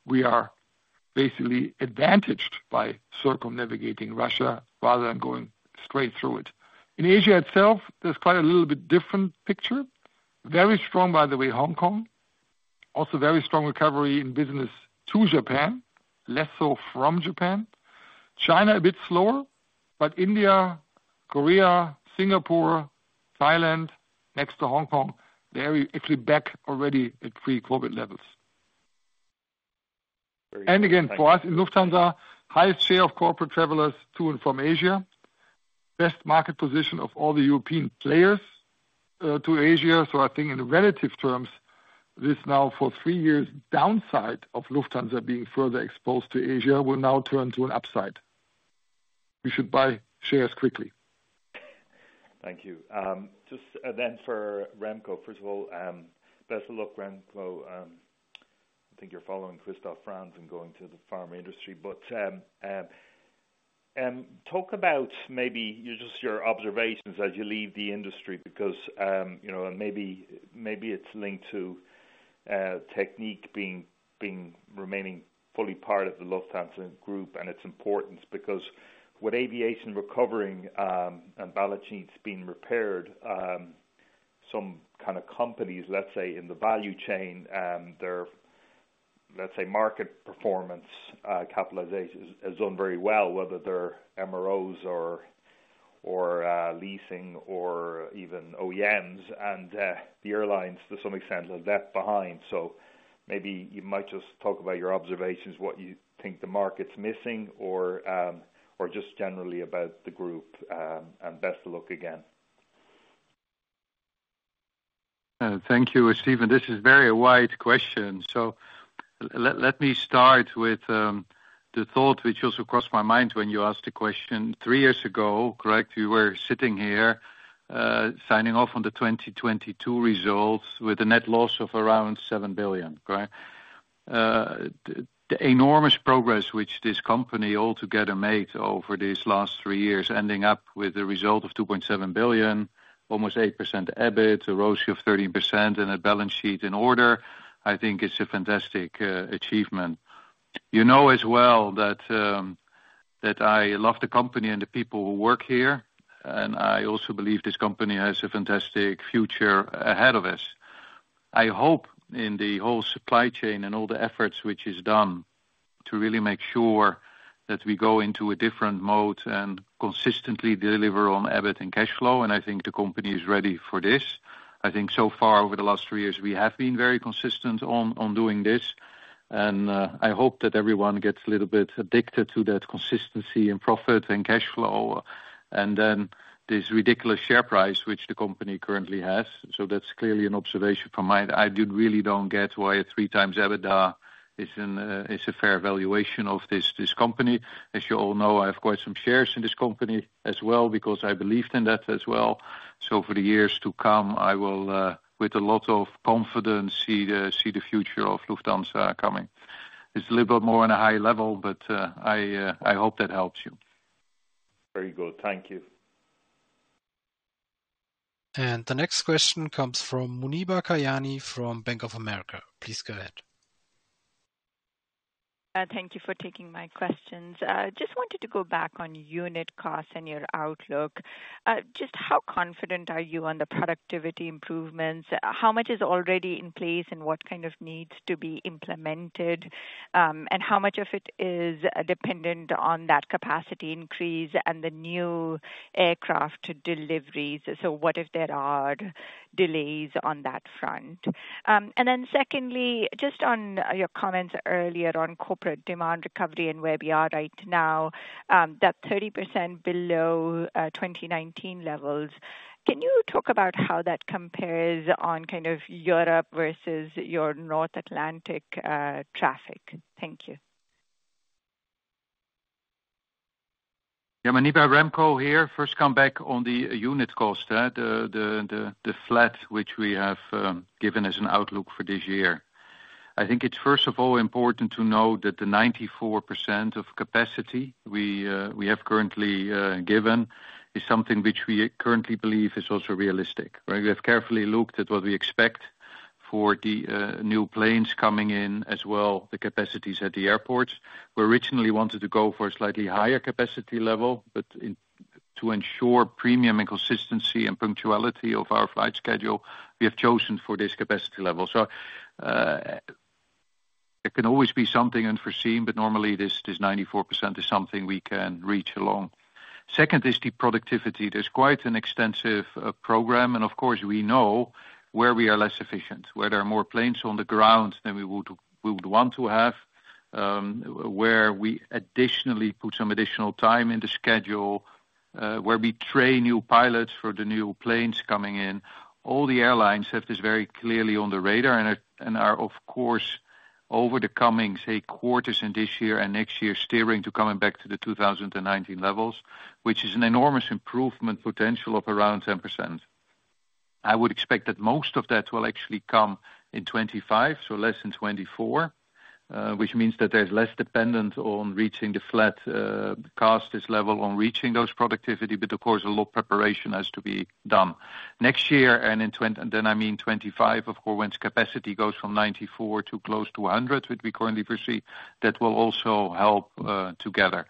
we are basically advantaged by circumnavigating Russia rather than going straight through it. In Asia itself, there's quite a little bit different picture. Very strong, by the way, Hong Kong. Also very strong recovery in business to Japan, less so from Japan. China a bit slower. But India, Korea, Singapore, Thailand, next to Hong Kong, they're actually back already at pre-COVID levels. And again, for us in Lufthansa, highest share of corporate travelers to and from Asia. Best market position of all the European players to Asia. So I think in relative terms, this now for three years downside of Lufthansa being further exposed to Asia will now turn to an upside. We should buy shares quickly. Thank you. Just then for Remco. First of all, best of luck, Remco. I think you're following Christoph Franz and going to the pharma industry. But talk about maybe just your observations as you leave the industry because maybe it's linked to Technik remaining fully part of the Lufthansa Group and its importance because with aviation recovering and balance sheets being repaired, some kind of companies, let's say, in the value chain, their, let's say, market capitalization has done very well, whether they're MROs or leasing or even OEMs. And the airlines, to some extent, are left behind. So maybe you might just talk about your observations, what you think the market's missing, or just generally about the group and best of luck again. Thank you, Stephen. This is very a wide question. So let me start with the thought which also crossed my mind when you asked the question. Three years ago, correct, you were sitting here signing off on the 2022 results with a net loss of around 7 billion, correct? The enormous progress which this company altogether made over these last three years, ending up with a result of 2.7 billion, almost 8% EBIT, a ratio of 13%, and a balance sheet in order, I think it's a fantastic achievement. You know as well that I love the company and the people who work here. And I also believe this company has a fantastic future ahead of us. I hope in the whole supply chain and all the efforts which is done to really make sure that we go into a different mode and consistently deliver on EBIT and cash flow. And I think the company is ready for this. I think so far over the last three years, we have been very consistent on doing this. I hope that everyone gets a little bit addicted to that consistency in profit and cash flow and then this ridiculous share price which the company currently has. That's clearly an observation from mine. I really don't get why a 3x EBITDA is a fair valuation of this company. As you all know, I have quite some shares in this company as well because I believed in that as well. So for the years to come, I will, with a lot of confidence, see the future of Lufthansa coming. It's a little bit more on a high level, but I hope that helps you. Very good. Thank you. And the next question comes from Muniba Kayani from Bank of America. Please go ahead. Thank you for taking my questions. Just wanted to go back on unit costs and your outlook. Just how confident are you on the productivity improvements? How much is already in place and what kind of needs to be implemented? And how much of it is dependent on that capacity increase and the new aircraft deliveries? So what if there are delays on that front? And then secondly, just on your comments earlier on corporate demand recovery and where we are right now, that 30% below 2019 levels, can you talk about how that compares on kind of Europe versus your North Atlantic traffic? Thank you. Yeah, Muniba, Remco here. First comeback on the unit cost, the flat which we have given as an outlook for this year. I think it's, first of all, important to know that the 94% of capacity we have currently given is something which we currently believe is also realistic, right? We have carefully looked at what we expect for the new planes coming in as well, the capacities at the airports. We originally wanted to go for a slightly higher capacity level, but to ensure premium and consistency and punctuality of our flight schedule, we have chosen for this capacity level. So there can always be something unforeseen, but normally, this 94% is something we can reach along. Second is the productivity. There's quite an extensive program. And of course, we know where we are less efficient, where there are more planes on the ground than we would want to have, where we additionally put some additional time in the schedule, where we train new pilots for the new planes coming in. All the airlines have this very clearly on the radar and are, of course, over the coming, say, quarters in this year and next year, steering to coming back to the 2019 levels, which is an enormous improvement potential of around 10%. I would expect that most of that will actually come in 2025, so less in 2024, which means that there's less dependence on reaching the flat cost, this level, on reaching those productivity. But of course, a lot of preparation has to be done next year. And then I mean 2025, of course, when capacity goes from 94 to close to 100, which we currently perceive, that will also help together.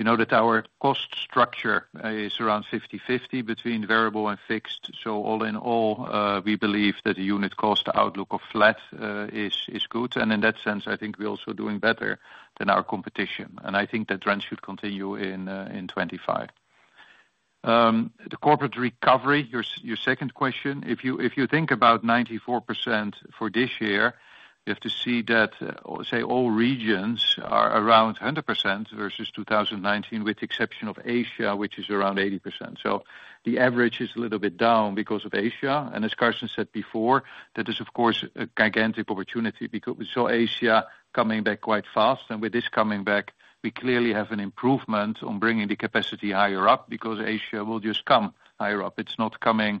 You know that our cost structure is around 50/50 between variable and fixed. So all in all, we believe that the unit cost outlook of flat is good. In that sense, I think we're also doing better than our competition. I think that trend should continue in 2025. The corporate recovery, your second question, if you think about 94% for this year, you have to see that, say, all regions are around 100% versus 2019, with the exception of Asia, which is around 80%. So the average is a little bit down because of Asia. And as Carsten said before, that is, of course, a gigantic opportunity because we saw Asia coming back quite fast. And with this coming back, we clearly have an improvement on bringing the capacity higher up because Asia will just come higher up. It's not coming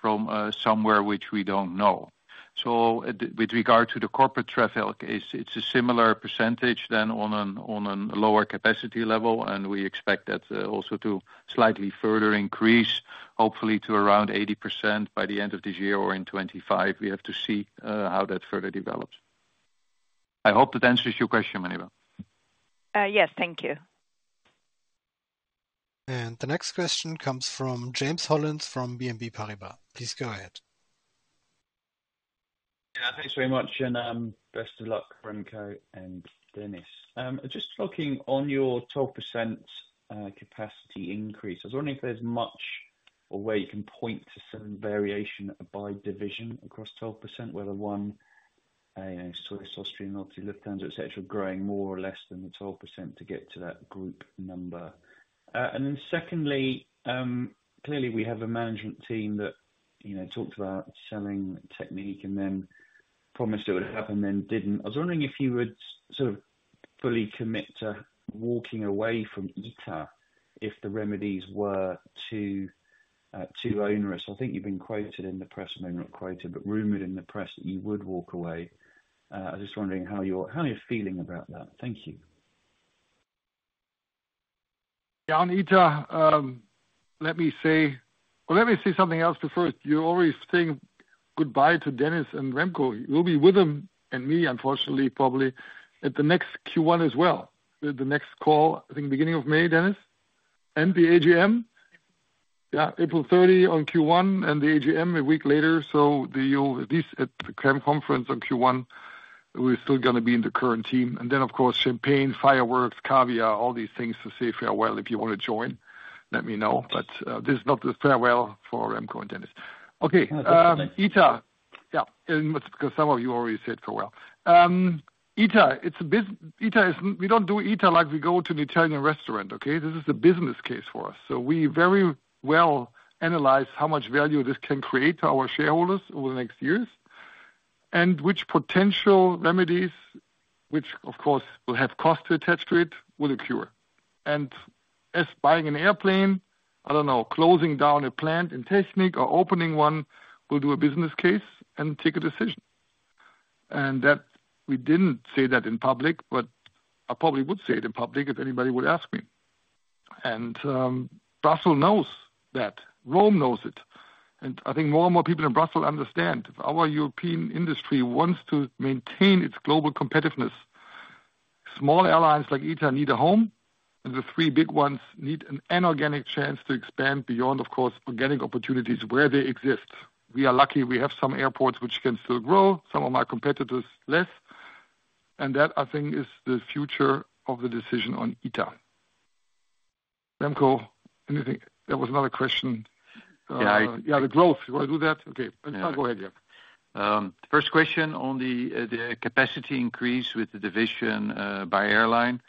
from somewhere which we don't know. So with regard to the corporate travel, it's a similar percentage then on a lower capacity level. We expect that also to slightly further increase, hopefully to around 80% by the end of this year or in 2025. We have to see how that further develops. I hope that answers your question, Muniba. Yes, thank you. And the next question comes from James Hollins from BNP Paribas. Please go ahead. Yeah, thanks very much. And best of luck, Remco and Dennis. Just looking on your 12% capacity increase, I was wondering if there's much or where you can point to some variation by division across 12%, whether one, Swiss, Austrian, Philippines, Lufthansa, etc., growing more or less than the 12% to get to that group number. Then secondly, clearly, we have a management team that talked about selling Technik and then promised it would happen, then didn't. I was wondering if you would sort of fully commit to walking away from ITA if the remedies were too onerous. I think you've been quoted in the press, maybe not quoted, but rumored in the press that you would walk away. I was just wondering how you're feeling about that. Thank you. Yeah, on ITA, let me say well, let me say something else before. You're already saying goodbye to Dennis and Remco. You'll be with them and me, unfortunately, probably at the next Q1 as well, the next call, I think, beginning of May, Dennis? And the AGM? Yeah, April 30 on Q1 and the AGM a week later. So at the call conference on Q1, we're still going to be in the current team. And then, of course, champagne, fireworks, caviar, all these things to say farewell if you want to join. Let me know. But this is not the farewell for Remco and Dennis. Okay. ITA. Yeah, because some of you already said farewell. ITA, we don't do ITA like we go to an Italian restaurant, okay? This is a business case for us. So we very well analyze how much value this can create to our shareholders over the next years and which potential remedies, which, of course, will have costs attached to it, will occur. And as buying an airplane, I don't know, closing down a plant in Technik or opening one will do a business case and take a decision. And we didn't say that in public, but I probably would say it in public if anybody would ask me. And Brussels knows that. Rome knows it. And I think more and more people in Brussels understand. If our European industry wants to maintain its global competitiveness, small airlines like ITA need a home, and the three big ones need an inorganic chance to expand beyond, of course, organic opportunities where they exist. We are lucky. We have some airports which can still grow, some of my competitors less. And that, I think, is the future of the decision on ITA. Remco, anything? There was another question. Yeah. Yeah, the growth. You want to do that? Okay. Go ahead, yeah. First question on the capacity increase with the division by airline.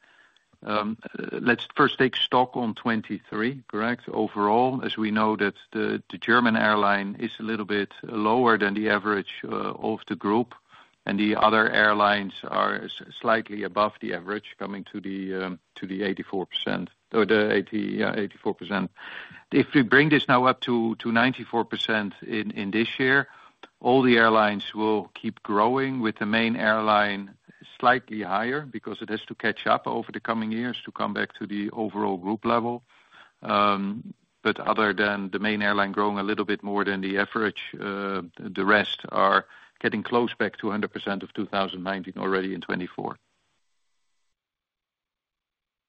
Let's first take stock on 2023, correct? Overall, as we know that the German airline is a little bit lower than the average of the group. And the other airlines are slightly above the average, coming to the 84% or the 84%. If we bring this now up to 94% in this year, all the airlines will keep growing with the main airline slightly higher because it has to catch up over the coming years to come back to the overall group level. But other than the main airline growing a little bit more than the average, the rest are getting close back to 100% of 2019 already in 2024.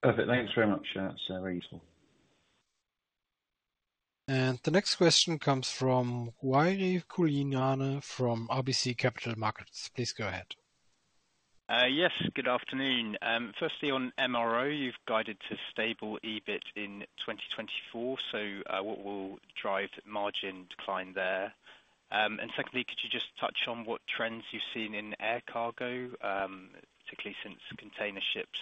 Perfect. Thanks very much. That's very useful. And the next question comes from Ruairi Cullinane from RBC Capital Markets. Please go ahead. Yes, good afternoon. Firstly, on MRO, you've guided to stable EBIT in 2024. So what will drive margin decline there? And secondly, could you just touch on what trends you've seen in air cargo, particularly since container ships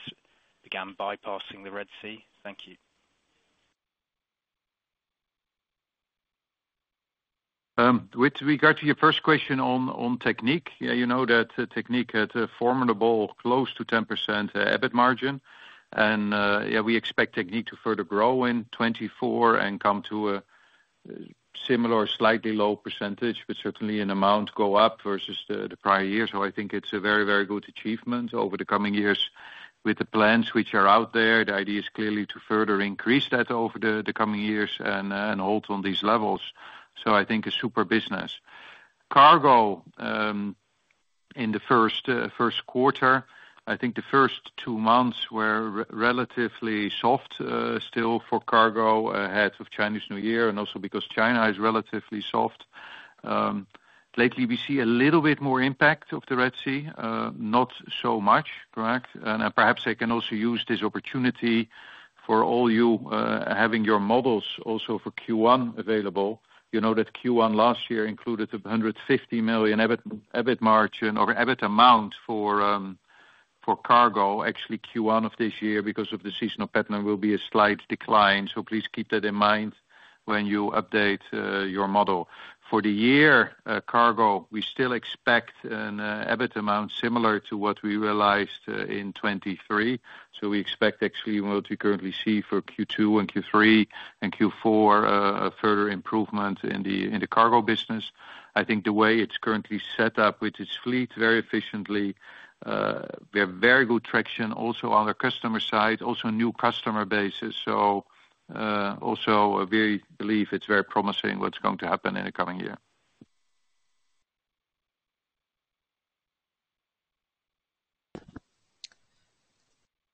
began bypassing the Red Sea? Thank you. With regard to your first question on Technik, yeah, you know that Technik had a formidable, close to 10% EBIT margin. Yeah, we expect Technik to further grow in 2024 and come to a similar, slightly low percentage, but certainly an amount go up versus the prior year. So I think it's a very, very good achievement over the coming years with the plans which are out there. The idea is clearly to further increase that over the coming years and hold on these levels. So I think a super business. Cargo in the first quarter, I think the first two months were relatively soft still for cargo ahead of Chinese New Year and also because China is relatively soft. Lately, we see a little bit more impact of the Red Sea, not so much, correct? And perhaps I can also use this opportunity for all you having your models also for Q1 available. You know that Q1 last year included a 150 million EBIT margin or EBIT amount for cargo. Actually Q1 of this year because of the seasonal pattern will be a slight decline. So please keep that in mind when you update your model. For the year, cargo, we still expect an EBIT amount similar to what we realised in 2023. So we expect actually what we currently see for Q2 and Q3 and Q4, a further improvement in the cargo business. I think the way it's currently set up with its fleet very efficiently, we have very good traction also on the customer side, also new customer bases. So also I really believe it's very promising what's going to happen in the coming year.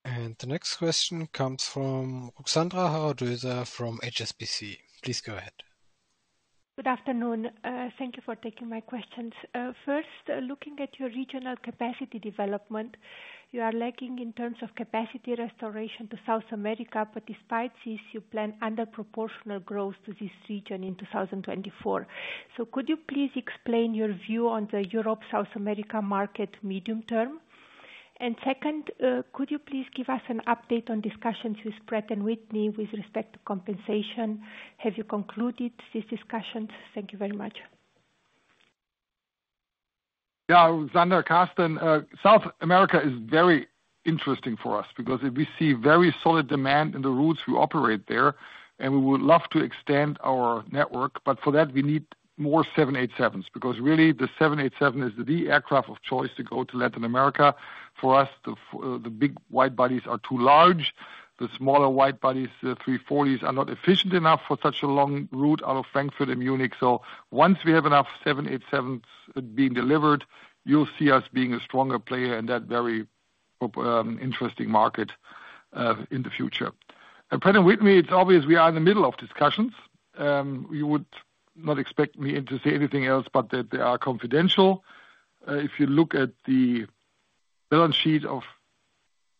And the next question comes from Ruxandra Haradau-Doser from HSBC. Please go ahead. Good afternoon. Thank you for taking my questions. First, looking at your regional capacity development, you are lagging in terms of capacity restoration to South America, but despite this, you plan underproportional growth to this region in 2024. So could you please explain your view on the Europe-South America market medium term? And second, could you please give us an update on discussions with Pratt & Whitney with respect to compensation? Have you concluded these discussions? Thank you very much. Yeah, Ruxandra. Carsten. South America is very interesting for us because we see very solid demand in the routes we operate there. And we would love to extend our network. But for that, we need more 787s because really, the 787 is the aircraft of choice to go to Latin America. For us, the big wide bodies are too large. The smaller wide bodies, A340s, are not efficient enough for such a long route out of Frankfurt and Munich. So once we have enough 787s being delivered, you'll see us being a stronger player in that very interesting market in the future. And Pratt & Whitney, it's obvious we are in the middle of discussions. You would not expect me to say anything else but that they are confidential. If you look at the balance sheet of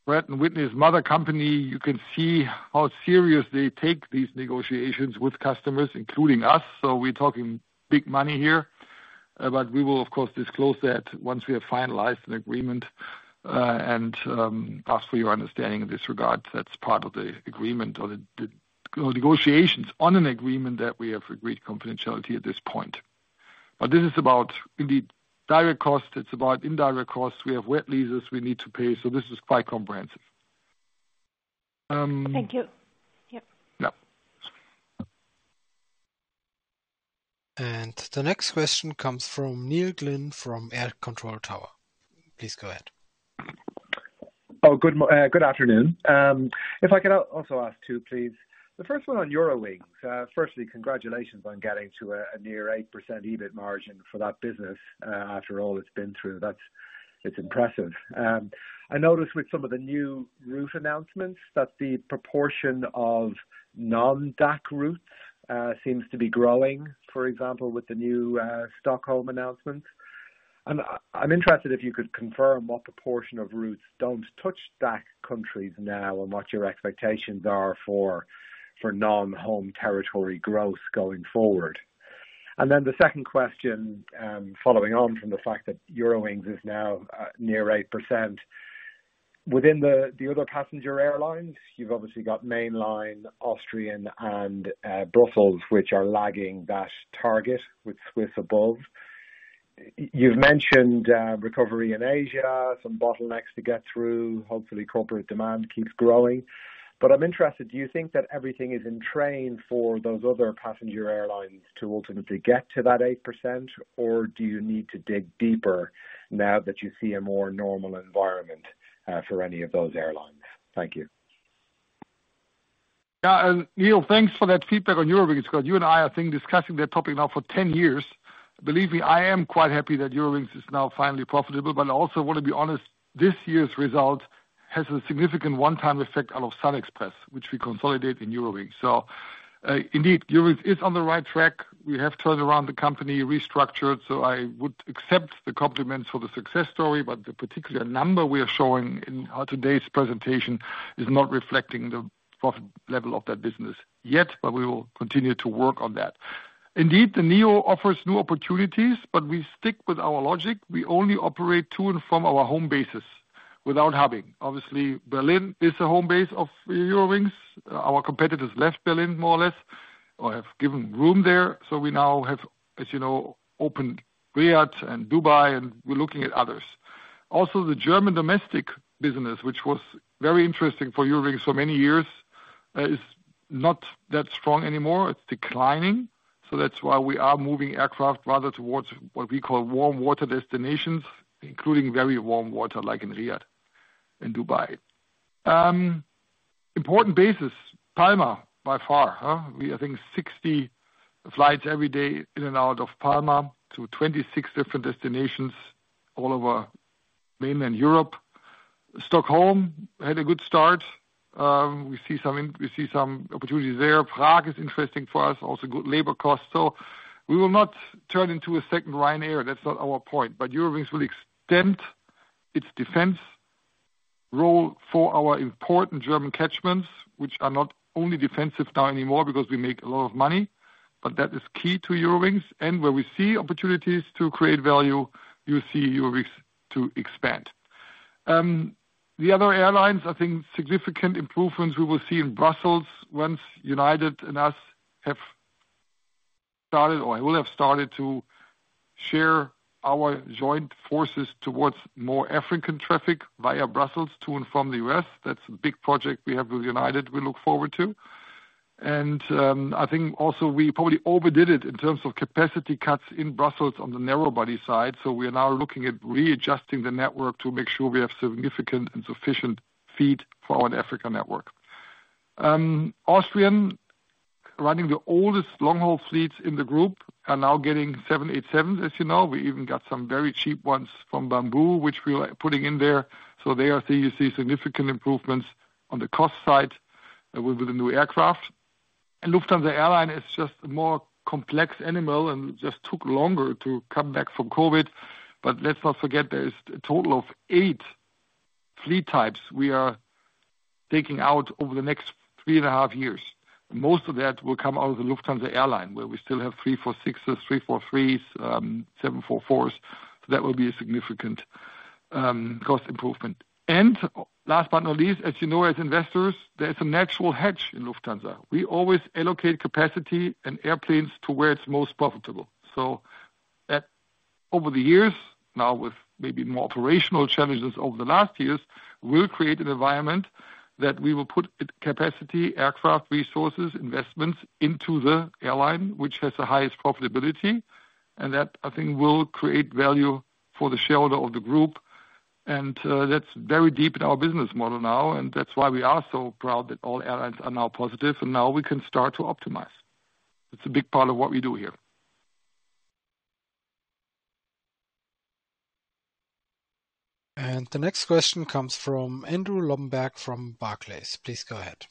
Pratt & Whitney's mother company, you can see how serious they take these negotiations with customers, including us. So we're talking big money here. But we will, of course, disclose that once we have finalized an agreement and ask for your understanding in this regard. That's part of the agreement or negotiations on an agreement that we have agreed confidentiality at this point. But this is about indeed direct costs. It's about indirect costs. We have wet leases we need to pay. So this is quite comprehensive. Thank you. Yep. Yep. And the next question comes from Neil Glynn from AIR Control Tower. Please go ahead. Oh, good afternoon. If I could also ask two, please. The first one on Eurowings. Firstly, congratulations on getting to a near 8% EBIT margin for that business. After all, it's been through. It's impressive. I noticed with some of the new route announcements that the proportion of non-DACH routes seems to be growing, for example, with the new Stockholm announcements. And I'm interested if you could confirm what proportion of routes don't touch DACH countries now and what your expectations are for non-home territory growth going forward. And then the second question following on from the fact that Eurowings is now near 8%. Within the other passenger airlines, you've obviously got mainline, Austrian, and Brussels, which are lagging that target with Swiss above. You've mentioned recovery in Asia, some bottlenecks to get through. Hopefully, corporate demand keeps growing. But I'm interested, do you think that everything is in train for those other passenger airlines to ultimately get to that 8%, or do you need to dig deeper now that you seea more normal environment for any of those airlines? Thank you. Yeah, Neil, thanks for that feedback on Eurowings because you and I, I think, discussing that topic now for 10 years. Believe me, I am quite happy that Eurowings is now finally profitable. But I also want to be honest, this year's result has a significant one-time effect out of SunExpress, which we consolidate in Eurowings. So indeed, Eurowings is on the right track. We have turned around the company, restructured. So I would accept the compliments for the success story, but the particular number we are showing in today's presentation is not reflecting the profit level of that business yet, but we will continue to work on that. Indeed, the NEO offers new opportunities, but we stick with our logic. We only operate to and from our home bases without hubbing. Obviously, Berlin is a home base of Eurowings. Our competitors left Berlin more or less or have given room there. So we now have, as you know, opened Riyadh and Dubai, and we're looking at others. Also, the German domestic business, which was very interesting for Eurowings for many years, is not that strong anymore. It's declining. So that's why we are moving aircraft rather towards what we call warm-water destinations, including very warm water like in Riyadh and Dubai. Important bases, Palma by far. I think 60 flights every day in and out of Palma to 26 different destinations all over mainland Europe. Stockholm had a good start. We see some opportunities there. Prague is interesting for us, also good labor costs. So we will not turn into a second Ryanair. That's not our point. But Eurowings will extend its defense role for our important German catchments, which are not only defensive now anymore because we make a lot of money, but that is key to Eurowings. And where we see opportunities to create value, you see Eurowings to expand. The other airlines, I think significant improvements we will see in Brussels once United and us have started or will have started to share our joint forces towards more African traffic via Brussels to and from the U.S. That's a big project we have with United we look forward to. And I think also we probably overdid it in terms of capacity cuts in Brussels on the narrow-body side. So we are now looking at readjusting the network to make sure we have significant and sufficient feed for our Africa network. Austrian, running the oldest long-haul fleets in the group, are now getting 787s, as you know. We even got some very cheap ones from Bamboo, which we are putting in there. So there you see significant improvements on the cost side with the new aircraft. And Lufthansa Airlines is just a more complex animal and just took longer to come back from COVID. But let's not forget there is a total of 8 fleet types we are taking out over the next 3.5 years. Most of that will come out of the Lufthansa Airlines, where we still have 346s, 343s, 744s. So that will be a significant cost improvement. And last but not least, as you know, as investors, there's a natural hedge in Lufthansa. We always allocate capacity and airplanes to where it's most profitable. So over the years, now with maybe more operational challenges over the last years, we'll create an environment that we will put capacity, aircraft resources, investments into the airline, which has the highest profitability. And that, I think, will create value for the shareholder of the group. And that's very deep in our business model now. And that's why we are so proud that all airlines are now positive. And now we can start to optimize. It's a big part of what we do here. And the next question comes from Andrew Lobbenberg from Barclays. Please go ahead.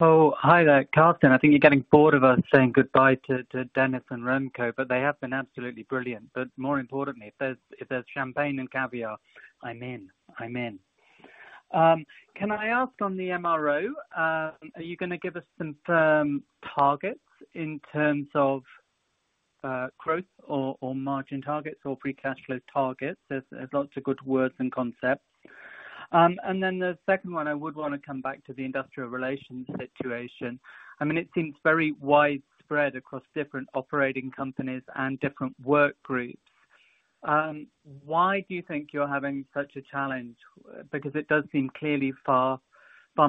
Oh, hi there, Carsten. I think you're getting bored of us saying goodbye to Dennis and Remco, but they have been absolutely brilliant. But more importantly, if there's champagne and caviar, I'm in. I'm in. Can I ask on the MRO, are you going to give us some firm targets in terms of growth or margin targets or free cash flow targets? There's lots of good words and concepts. And then the second one, I would want to come back to the industrial relations situation. I mean, it seems very widespread across different operating companies and different work groups. Why do you think you're having such a challenge? Because it does seem clearly far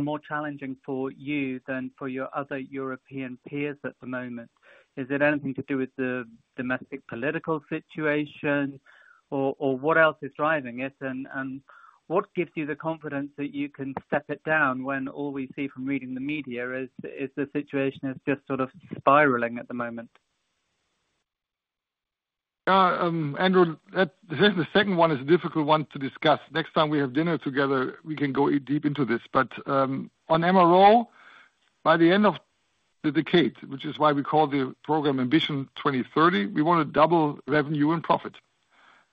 more challenging for you than for your other European peers at the moment. Is it anything to do with the domestic political situation, or what else is driving it? What gives you the confidence that you can step it down when all we see from reading the media is the situation is just sort of spiraling at the moment? Yeah, Andrew, the second one is a difficult one to discuss. Next time we have dinner together, we can go deep into this. But on MRO, by the end of the decade, which is why we call the program Ambition 2030, we want to double revenue and profit.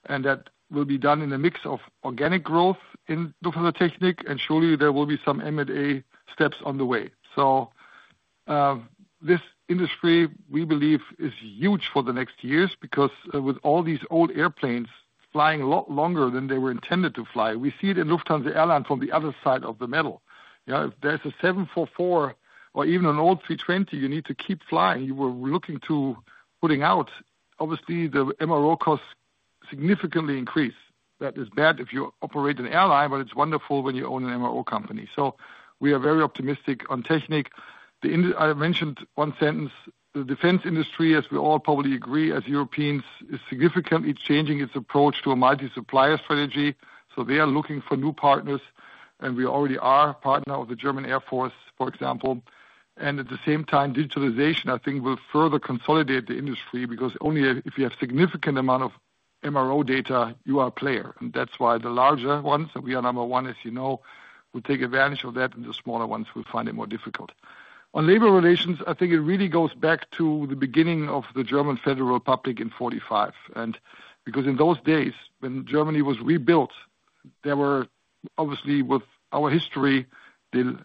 And that will be done in a mix of organic growth in Lufthansa Technik. And surely there will be some M&A steps on the way. So this industry, we believe, is huge for the next years because with all these old airplanes flying a lot longer than they were intended to fly, we see it in Lufthansa Airlines from the other side of the coin. If there's a 744 or even an old 320, you need to keep flying. You were looking to putting out. Obviously, the MRO costs significantly increase. That is bad if you operate an airline, but it's wonderful when you own an MRO company. So we are very optimistic on Technik. I mentioned one sentence. The defense industry, as we all probably agree as Europeans, is significantly changing its approach to a multi-supplier strategy. So they are looking for new partners. And we already are a partner of the German Air Force, for example. And at the same time, digitalization, I think, will further consolidate the industry because only if you have a significant amount of MRO data, you are a player. And that's why the larger ones, and we are number one, as you know, will take advantage of that. And the smaller ones will find it more difficult. On labor relations, I think it really goes back to the beginning of the German Federal Republic in 1945. And because in those days, when Germany was rebuilt, there were, obviously, with our history, the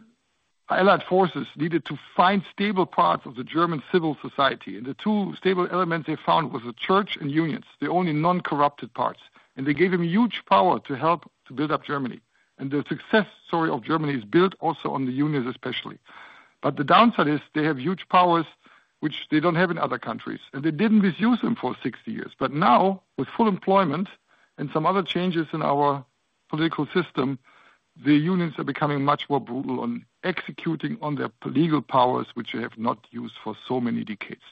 Allied Forces needed to find stable parts of the German civil society. And the two stable elements they found were the church and unions, the only non-corrupted parts. And they gave them huge power to help to build up Germany. And the success story of Germany is built also on the unions, especially. But the downside is they have huge powers, which they don't have in other countries. And they didn't misuse them for 60 years. But now, with full employment and some other changes in our political system, the unions are becoming much more brutal on executing on their legal powers, which they have not used for so many decades.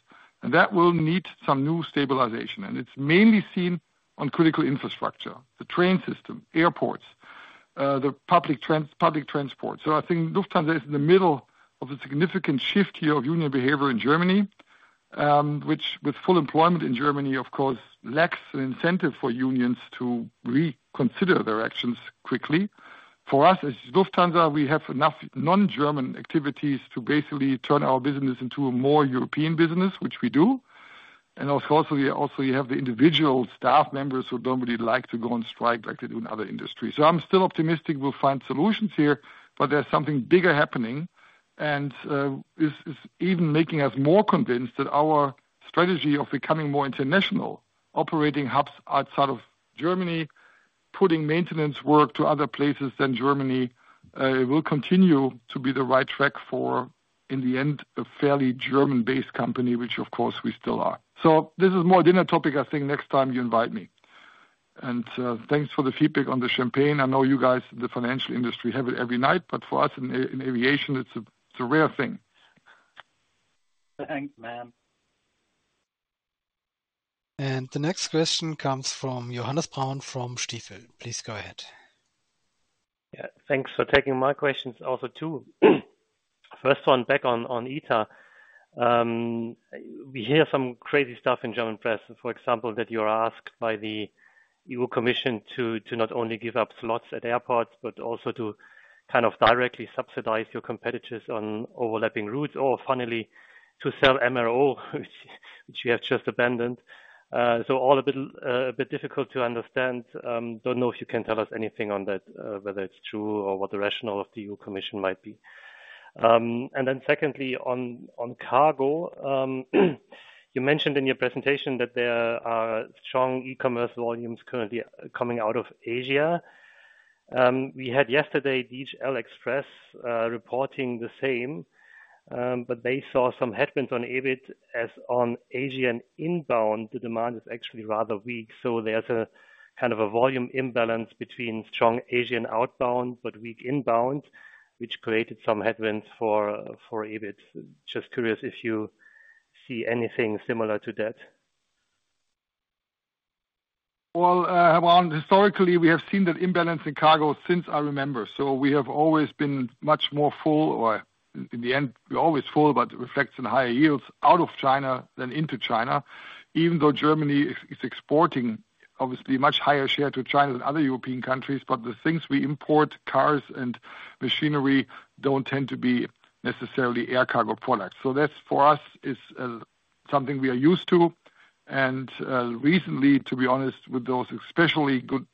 That will need some new stabilization. It's mainly seen on critical infrastructure, the train system, airports, the public transport. I think Lufthansa is in the middle of a significant shift here of union behavior in Germany, which, with full employment in Germany, of course, lacks an incentive for unions to reconsider their actions quickly. For us, as Lufthansa, we have enough non-German activities to basically turn our business into a more European business, which we do. Also you have the individual staff members who don't really like to go on strike like they do in other industries. I'm still optimistic we'll find solutions here. But there's something bigger happening and is even making us more convinced that our strategy of becoming more international, operating hubs outside of Germany, putting maintenance work to other places than Germany, it will continue to be the right track for, in the end, a fairly German-based company, which, of course, we still are. So this is more a dinner topic. I think next time you invite me. And thanks for the feedback on the champagne. I know you guys in the financial industry have it every night. But for us in aviation, it's a rare thing. Thanks, man. And the next question comes from Johannes Braun from Stifel. Please go ahead. Yeah, thanks for taking my questions also too. First one, back on ITA. We hear some crazy stuff in German press, for example, that you are asked by the EU Commission to not only give up slots at airports but also to kind of directly subsidize your competitors on overlapping routes or, funnily, to sell MRO, which you have just abandoned. So all a bit difficult to understand. Don't know if you can tell us anything on that, whether it's true or what the rationale of the EU Commission might be. And then secondly, on cargo, you mentioned in your presentation that there are strong e-commerce volumes currently coming out of Asia. We had yesterday DHL Express reporting the same. But they saw some headwinds on EBIT as on Asian inbound, the demand is actually rather weak. So there's a kind of a volume imbalance between strong Asian outbound but weak inbound, which created some headwinds for EBIT. Just curious if you see anything similar to that. Well, Herr Braun, historically, we have seen that imbalance in cargo since I remember. So we have always been much more full or, in the end, we're always full, but reflects in higher yields out of China than into China, even though Germany is exporting, obviously, a much higher share to China than other European countries. But the things we import, cars and machinery, don't tend to be necessarily air cargo products. So that, for us, is something we are used to. And recently, to be honest, with those especially good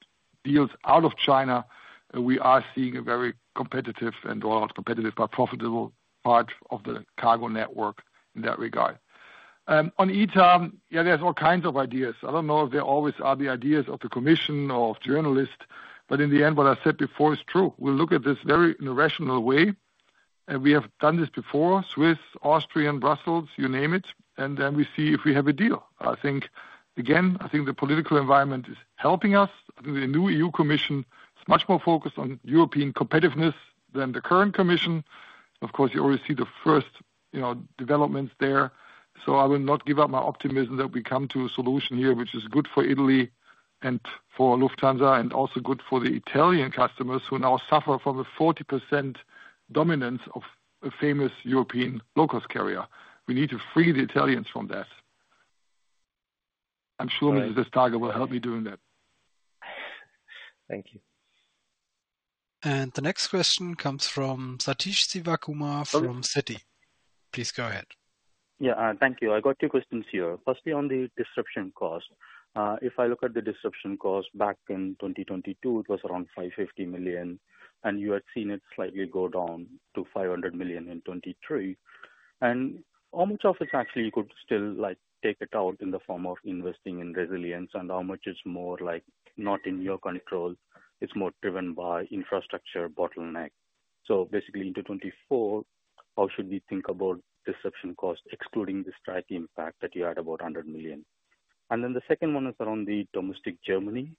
deals out of China, we are seeing a very competitive and not competitive, but profitable part of the cargo network in that regard. On ITA, yeah, there's all kinds of ideas. I don't know if there always are the ideas of the Commission or of journalists. But in the end, what I said before is true. We'll look at this in a very rational way. And we have done this before, Swiss, Austrian, Brussels, you name it. And then we see if we have a deal. I think, again, I think the political environment is helping us. I think the new EU Commission is much more focused on European competitiveness than the current Commission. Of course, you already see the first developments there. So I will not give up my optimism that we come to a solution here, which is good for Italy and for Lufthansa and also good for the Italian customers who now suffer from a 40% dominance of a famous European low-cost carrier. We need to free the Italians from that. I'm sure Mrs. Vestager will help me doing that. Thank you. And the next question comes from Sathish Sivakumar from Citi. Please go ahead. Yeah, thank you. I got two questions here. Firstly, on the disruption cost. If I look at the disruption cost back in 2022, it was around 550 million. And you had seen it slightly go down to 500 million in 2023. And how much of it, actually, you could still take it out in the form of investing in resilience? And how much is more not in your control? It's more driven by infrastructure bottleneck. So basically, into 2024, how should we think about disruption cost, excluding the strike impact that you had about 100 million? And then the second one is around the domestic Germany.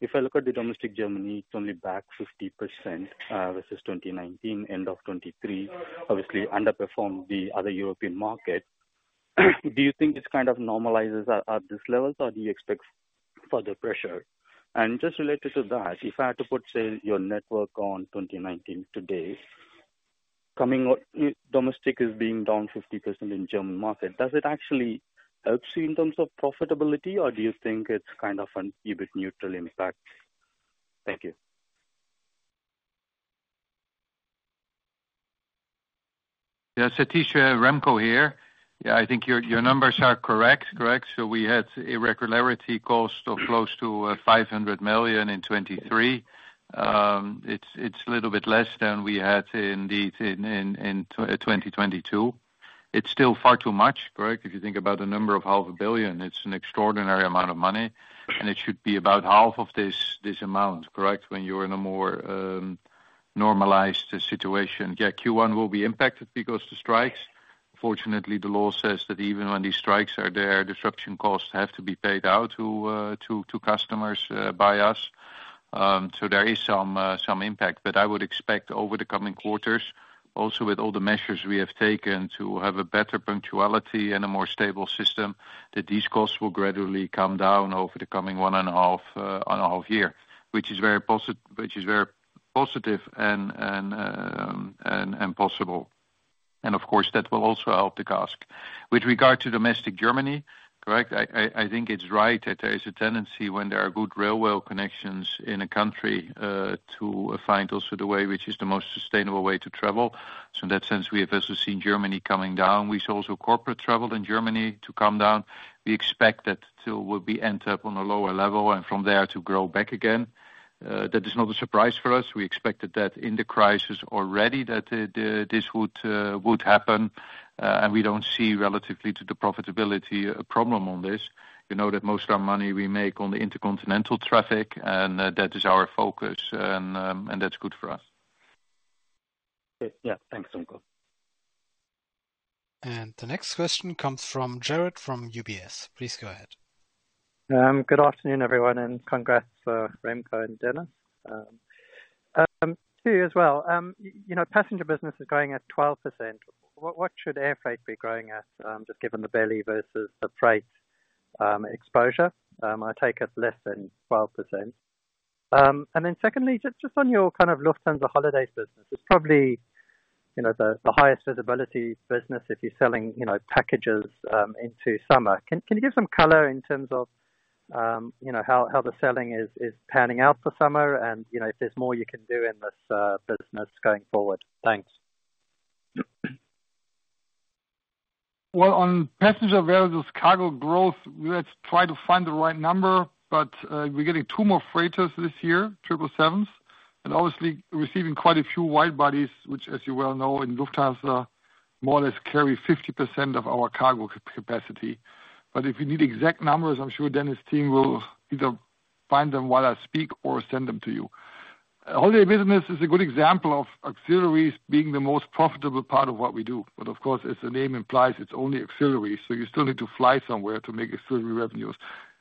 If I look at the domestic Germany, it's only back 50% versus 2019, end of 2023, obviously, underperformed the other European market. Do you think it kind of normalizes at this level, or do you expect further pressure? Just related to that, if I had to put, say, your network on 2019 today, coming out domestic is being down 50% in German market. Does it actually help you in terms of profitability, or do you think it's kind of an EBIT neutral impact? Thank you. Yeah, Sathish, Remco here. Yeah, I think your numbers are correct. Correct? So we had irregularity cost of close to 500 million in 2023. It's a little bit less than we had indeed in 2022. It's still far too much, correct? If you think about 500 million, it's an extraordinary amount of money. And it should be about EUR 250 million, correct, when you're in a more normalized situation. Yeah, Q1 will be impacted because of the strikes. Fortunately, the law says that even when these strikes are there, disruption costs have to be paid out to customers by us. So there is some impact. But I would expect, over the coming quarters, also with all the measures we have taken to have a better punctuality and a more stable system, that these costs will gradually come down over the coming 1.5 year, which is very positive and possible. And of course, that will also help the cash. With regard to domestic Germany, correct, I think it's right that there is a tendency, when there are good railway connections in a country, to find also the way which is the most sustainable way to travel. So in that sense, we have also seen Germany coming down. We saw also corporate travel in Germany to come down. We expect that it will end up on a lower level and from there to grow back again. That is not a surprise for us. We expected that in the crisis already, that this would happen. And we don't see, relatively to the profitability, a problem on this. You know that most of our money we make on the intercontinental traffic. And that is our focus. And that's good for us. Okay. Yeah, thanks, Remco. And the next question comes from Jarrod from UBS. Please go ahead. Good afternoon, everyone. And congrats for Remco and Dennis. To you as well. Passenger business is going at 12%. What should airfreight be growing at, just given the belly versus the freight exposure? I take it's less than 12%. And then secondly, just on your kind of Lufthansa Holidays business, it's probably the highest visibility business if you're selling packages into summer. Can you give some color in terms of how the selling is panning out for summer and if there's more you can do in this business going forward? Thanks. Well, on passenger versus cargo growth, we had tried to find the right number. But we're getting 2 more freighters this year, 777s, and obviously receiving quite a few wide bodies, which, as you well know, in Lufthansa, more or less carry 50% of our cargo capacity. But if you need exact numbers, I'm sure Dennis's team will either find them while I speak or send them to you. Holiday business is a good example of ancillaries being the most profitable part of what we do. But of course, as the name implies, it's only ancillaries. So you still need to fly somewhere to make ancillary revenues.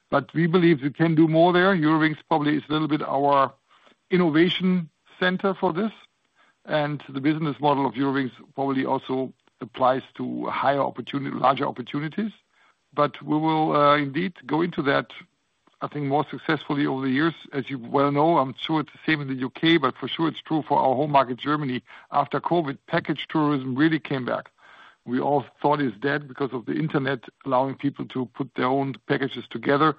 But we believe we can do more there. Eurowings probably is a little bit our innovation center for this. The business model of Eurowings probably also applies to larger opportunities. We will indeed go into that, I think, more successfully over the years. As you well know, I'm sure it's the same in the UK, but for sure it's true for our home market, Germany. After COVID, package tourism really came back. We all thought it's dead because of the internet allowing people to put their own packages together.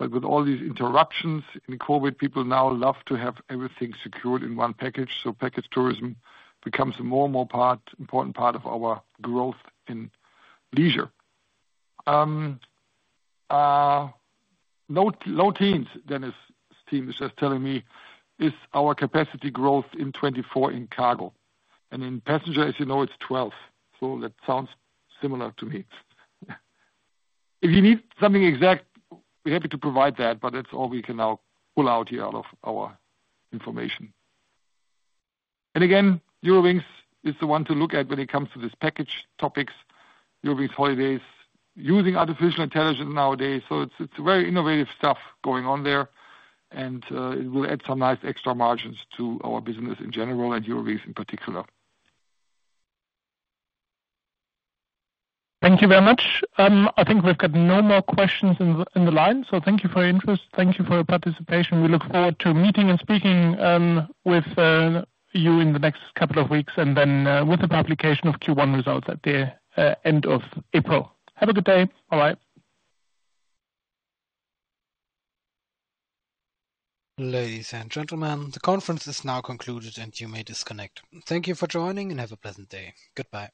With all these interruptions in COVID, people now love to have everything secured in one package. Package tourism becomes a more and more important part of our growth in leisure. Low teens, Dennis's team is just telling me, is our capacity growth in 2024 in cargo. In passenger, as you know, it's 12. So that sounds similar to me. If you need something exact, we're happy to provide that. But that's all we can now pull out here out of our information. And again, Eurowings is the one to look at when it comes to these package topics, Eurowings Holidays, using artificial intelligence nowadays. So it's very innovative stuff going on there. And it will add some nice extra margins to our business in general and Eurowings in particular. Thank you very much. I think we've got no more questions in the line. So thank you for your interest. Thank you for your participation. We look forward to meeting and speaking with you in the next couple of weeks and then with the publication of Q1 results at the end of April. Have a good day. Bye-bye. Ladies and gentlemen, the conference is now concluded, and you may disconnect. Thank you for joining and have a pleasant day. Goodbye.